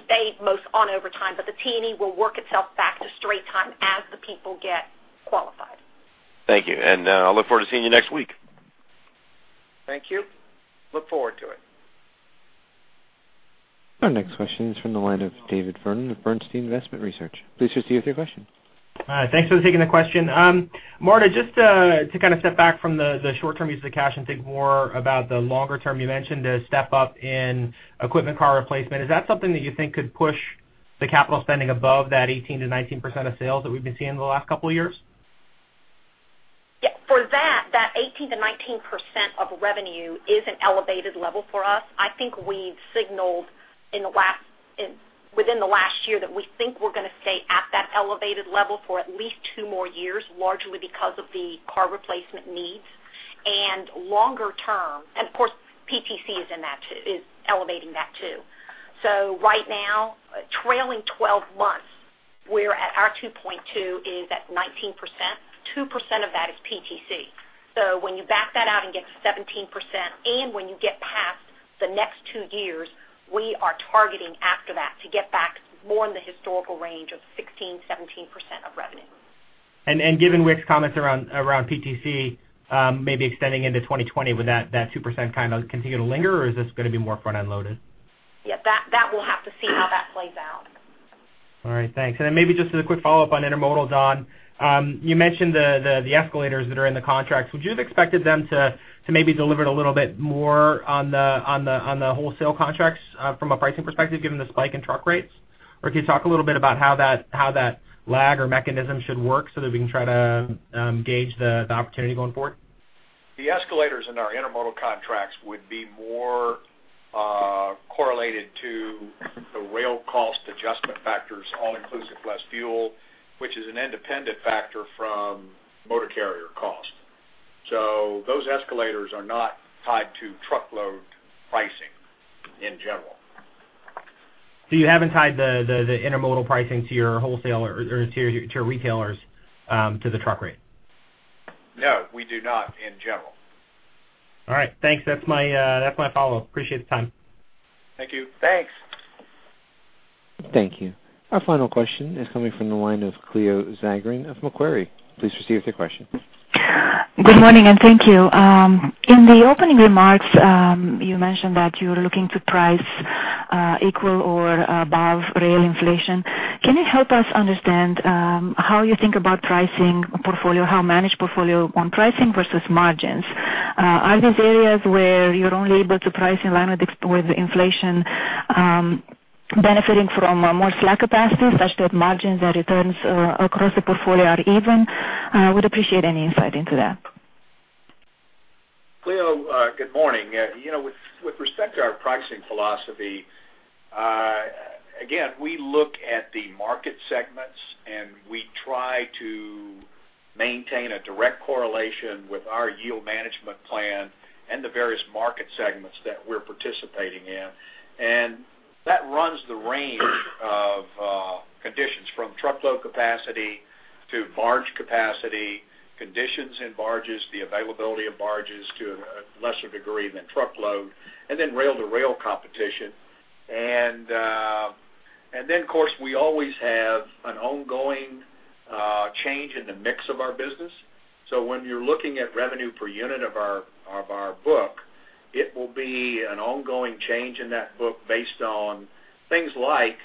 stay most on overtime, but the T&E will work itself back to straight time as the people get qualified. Thank you, and, I look forward to seeing you next week. Thank you. Look forward to it. Our next question is from the line of David Vernon of Bernstein Investment Research. Please just give your question. Hi, thanks for taking the question. Marta, just to kind of step back from the short term use of cash and think more about the longer term, you mentioned a step up in equipment car replacement. Is that something that you think could push the capital spending above that 18%-19% of sales that we've been seeing in the last couple of years? Yeah, for that, that 18%-19% of revenue is an elevated level for us. I think we've signaled in the last, in, within the last year, that we think we're going to stay at that elevated level for at least two more years, largely because of the car replacement needs and longer term. And of course, PTC is in that, too, is elevating that, too. So right now, trailing twelve months, we're at our 2.2 is at 19%. 2% of that is PTC. So when you back that out and get to 17%, and when you get past the next two years, we are targeting after that to get back more in the historical range of 16%-17% of revenue. Given Wick's comments around PTC, maybe extending into 2020, would that 2% kind of continue to linger, or is this going to be more front-end loaded? Yeah, that, that we'll have to see how that plays out. All right, thanks. And then maybe just as a quick follow-up on intermodal, Don, you mentioned the escalators that are in the contracts. Would you have expected them to maybe deliver it a little bit more on the wholesale contracts from a pricing perspective, given the spike in truck rates? Or can you talk a little bit about how that lag or mechanism should work so that we can try to gauge the opportunity going forward? The escalators in our intermodal contracts would be more, correlated to the Rail Cost Adjustment Factors, all inclusive, less fuel, which is an independent factor from motor carrier cost. So those escalators are not tied to truckload pricing in general. So you haven't tied the intermodal pricing to your wholesaler or to your retailers to the truck rate? No, we do not in general. All right. Thanks. That's my, that's my follow-up. Appreciate the time. Thank you. Thanks. Thank you. Our final question is coming from the line of Cleo Zagrean of Macquarie. Please proceed with your question. Good morning, and thank you. In the opening remarks, you mentioned that you're looking to price equal or above rail inflation. Can you help us understand how you think about pricing a portfolio, how managed portfolio on pricing versus margins? Are these areas where you're only able to price in line with inflation, benefiting from more slack capacity, such that margins and returns across the portfolio are even? Would appreciate any insight into that. Cleo, good morning. You know, with, with respect to our pricing philosophy, again, we look at the market segments, and we try to maintain a direct correlation with our yield management plan and the various market segments that we're participating in. And that runs the range of, conditions from truckload capacity to barge capacity, conditions in barges, the availability of barges to a lesser degree than truckload, and then rail-to-rail competition. And, and then, of course, we always have an ongoing, change in the mix of our business. So when you're looking at revenue per unit of our, of our book, it will be an ongoing change in that book based on things like,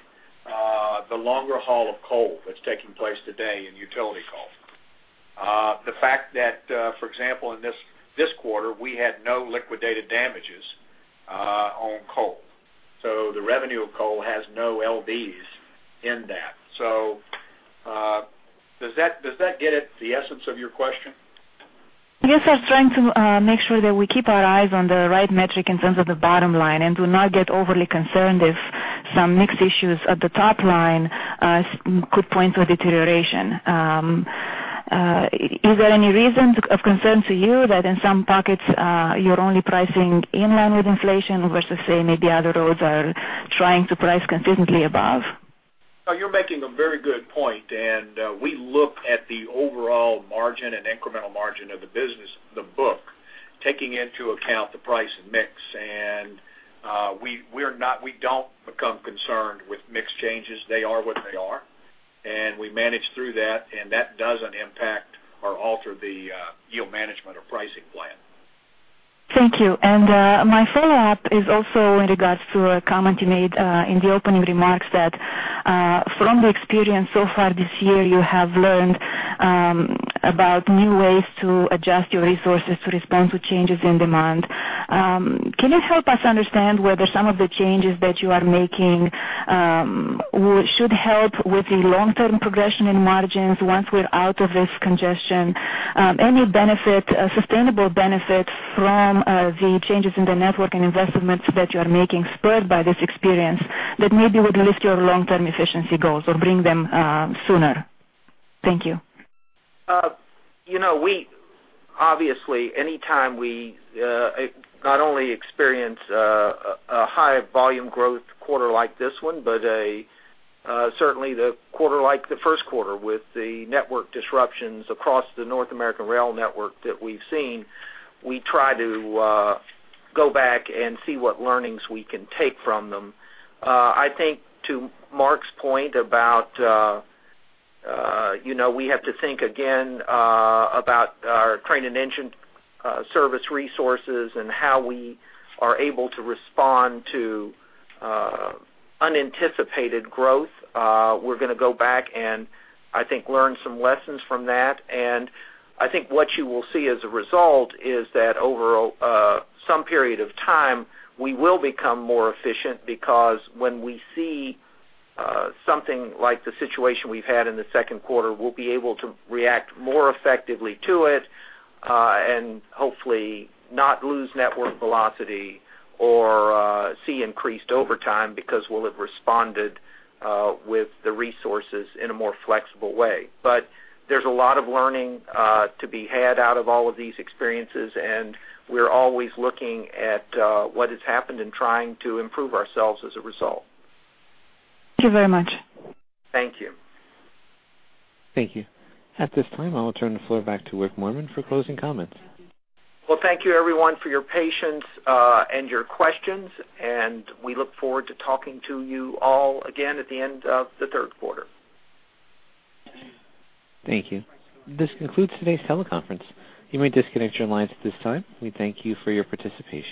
the longer haul of coal that's taking place today in utility coal. The fact that, for example, in this quarter, we had no liquidated damages on coal, so the revenue of coal has no LDs in that. So, does that get at the essence of your question? Yes, I was trying to make sure that we keep our eyes on the right metric in terms of the bottom line and do not get overly concerned if some mixed issues at the top line could point to a deterioration. Is there any reason of concern to you that in some pockets you're only pricing in line with inflation versus, say, maybe other roads are trying to price consistently above? No, you're making a very good point, and we look at the overall margin and incremental margin of the business, the book, taking into account the price and mix, and we're not - we don't become concerned with mix changes. They are what they are, and we manage through that, and that doesn't impact or alter the yield management or pricing plan. Thank you. My follow-up is also in regards to a comment you made, in the opening remarks, that, from the experience so far this year, you have learned, about new ways to adjust your resources to respond to changes in demand. Can you help us understand whether some of the changes that you are making, should help with the long-term progression in margins once we're out of this congestion? Any benefit, a sustainable benefit from, the changes in the network and investments that you are making, spurred by this experience, that maybe would list your long-term efficiency goals or bring them, sooner? Thank you. You know, we obviously, anytime we not only experience a high volume growth quarter like this one, but certainly the quarter, like the first quarter, with the network disruptions across the North American rail network that we've seen, we try to go back and see what learnings we can take from them. I think to Mark's point about, you know, we have to think again about our train and engine service resources and how we are able to respond to unanticipated growth. We're gonna go back and, I think, learn some lessons from that. I think what you will see as a result is that over some period of time, we will become more efficient, because when we see something like the situation we've had in the second quarter, we'll be able to react more effectively to it, and hopefully not lose network velocity or see increased overtime because we'll have responded with the resources in a more flexible way. There's a lot of learning to be had out of all of these experiences, and we're always looking at what has happened and trying to improve ourselves as a result. Thank you very much. Thank you. Thank you. At this time, I will turn the floor back to Wick Moorman for closing comments. Well, thank you, everyone, for your patience, and your questions, and we look forward to talking to you all again at the end of the third quarter. Thank you. This concludes today's teleconference. You may disconnect your lines at this time. We thank you for your participation.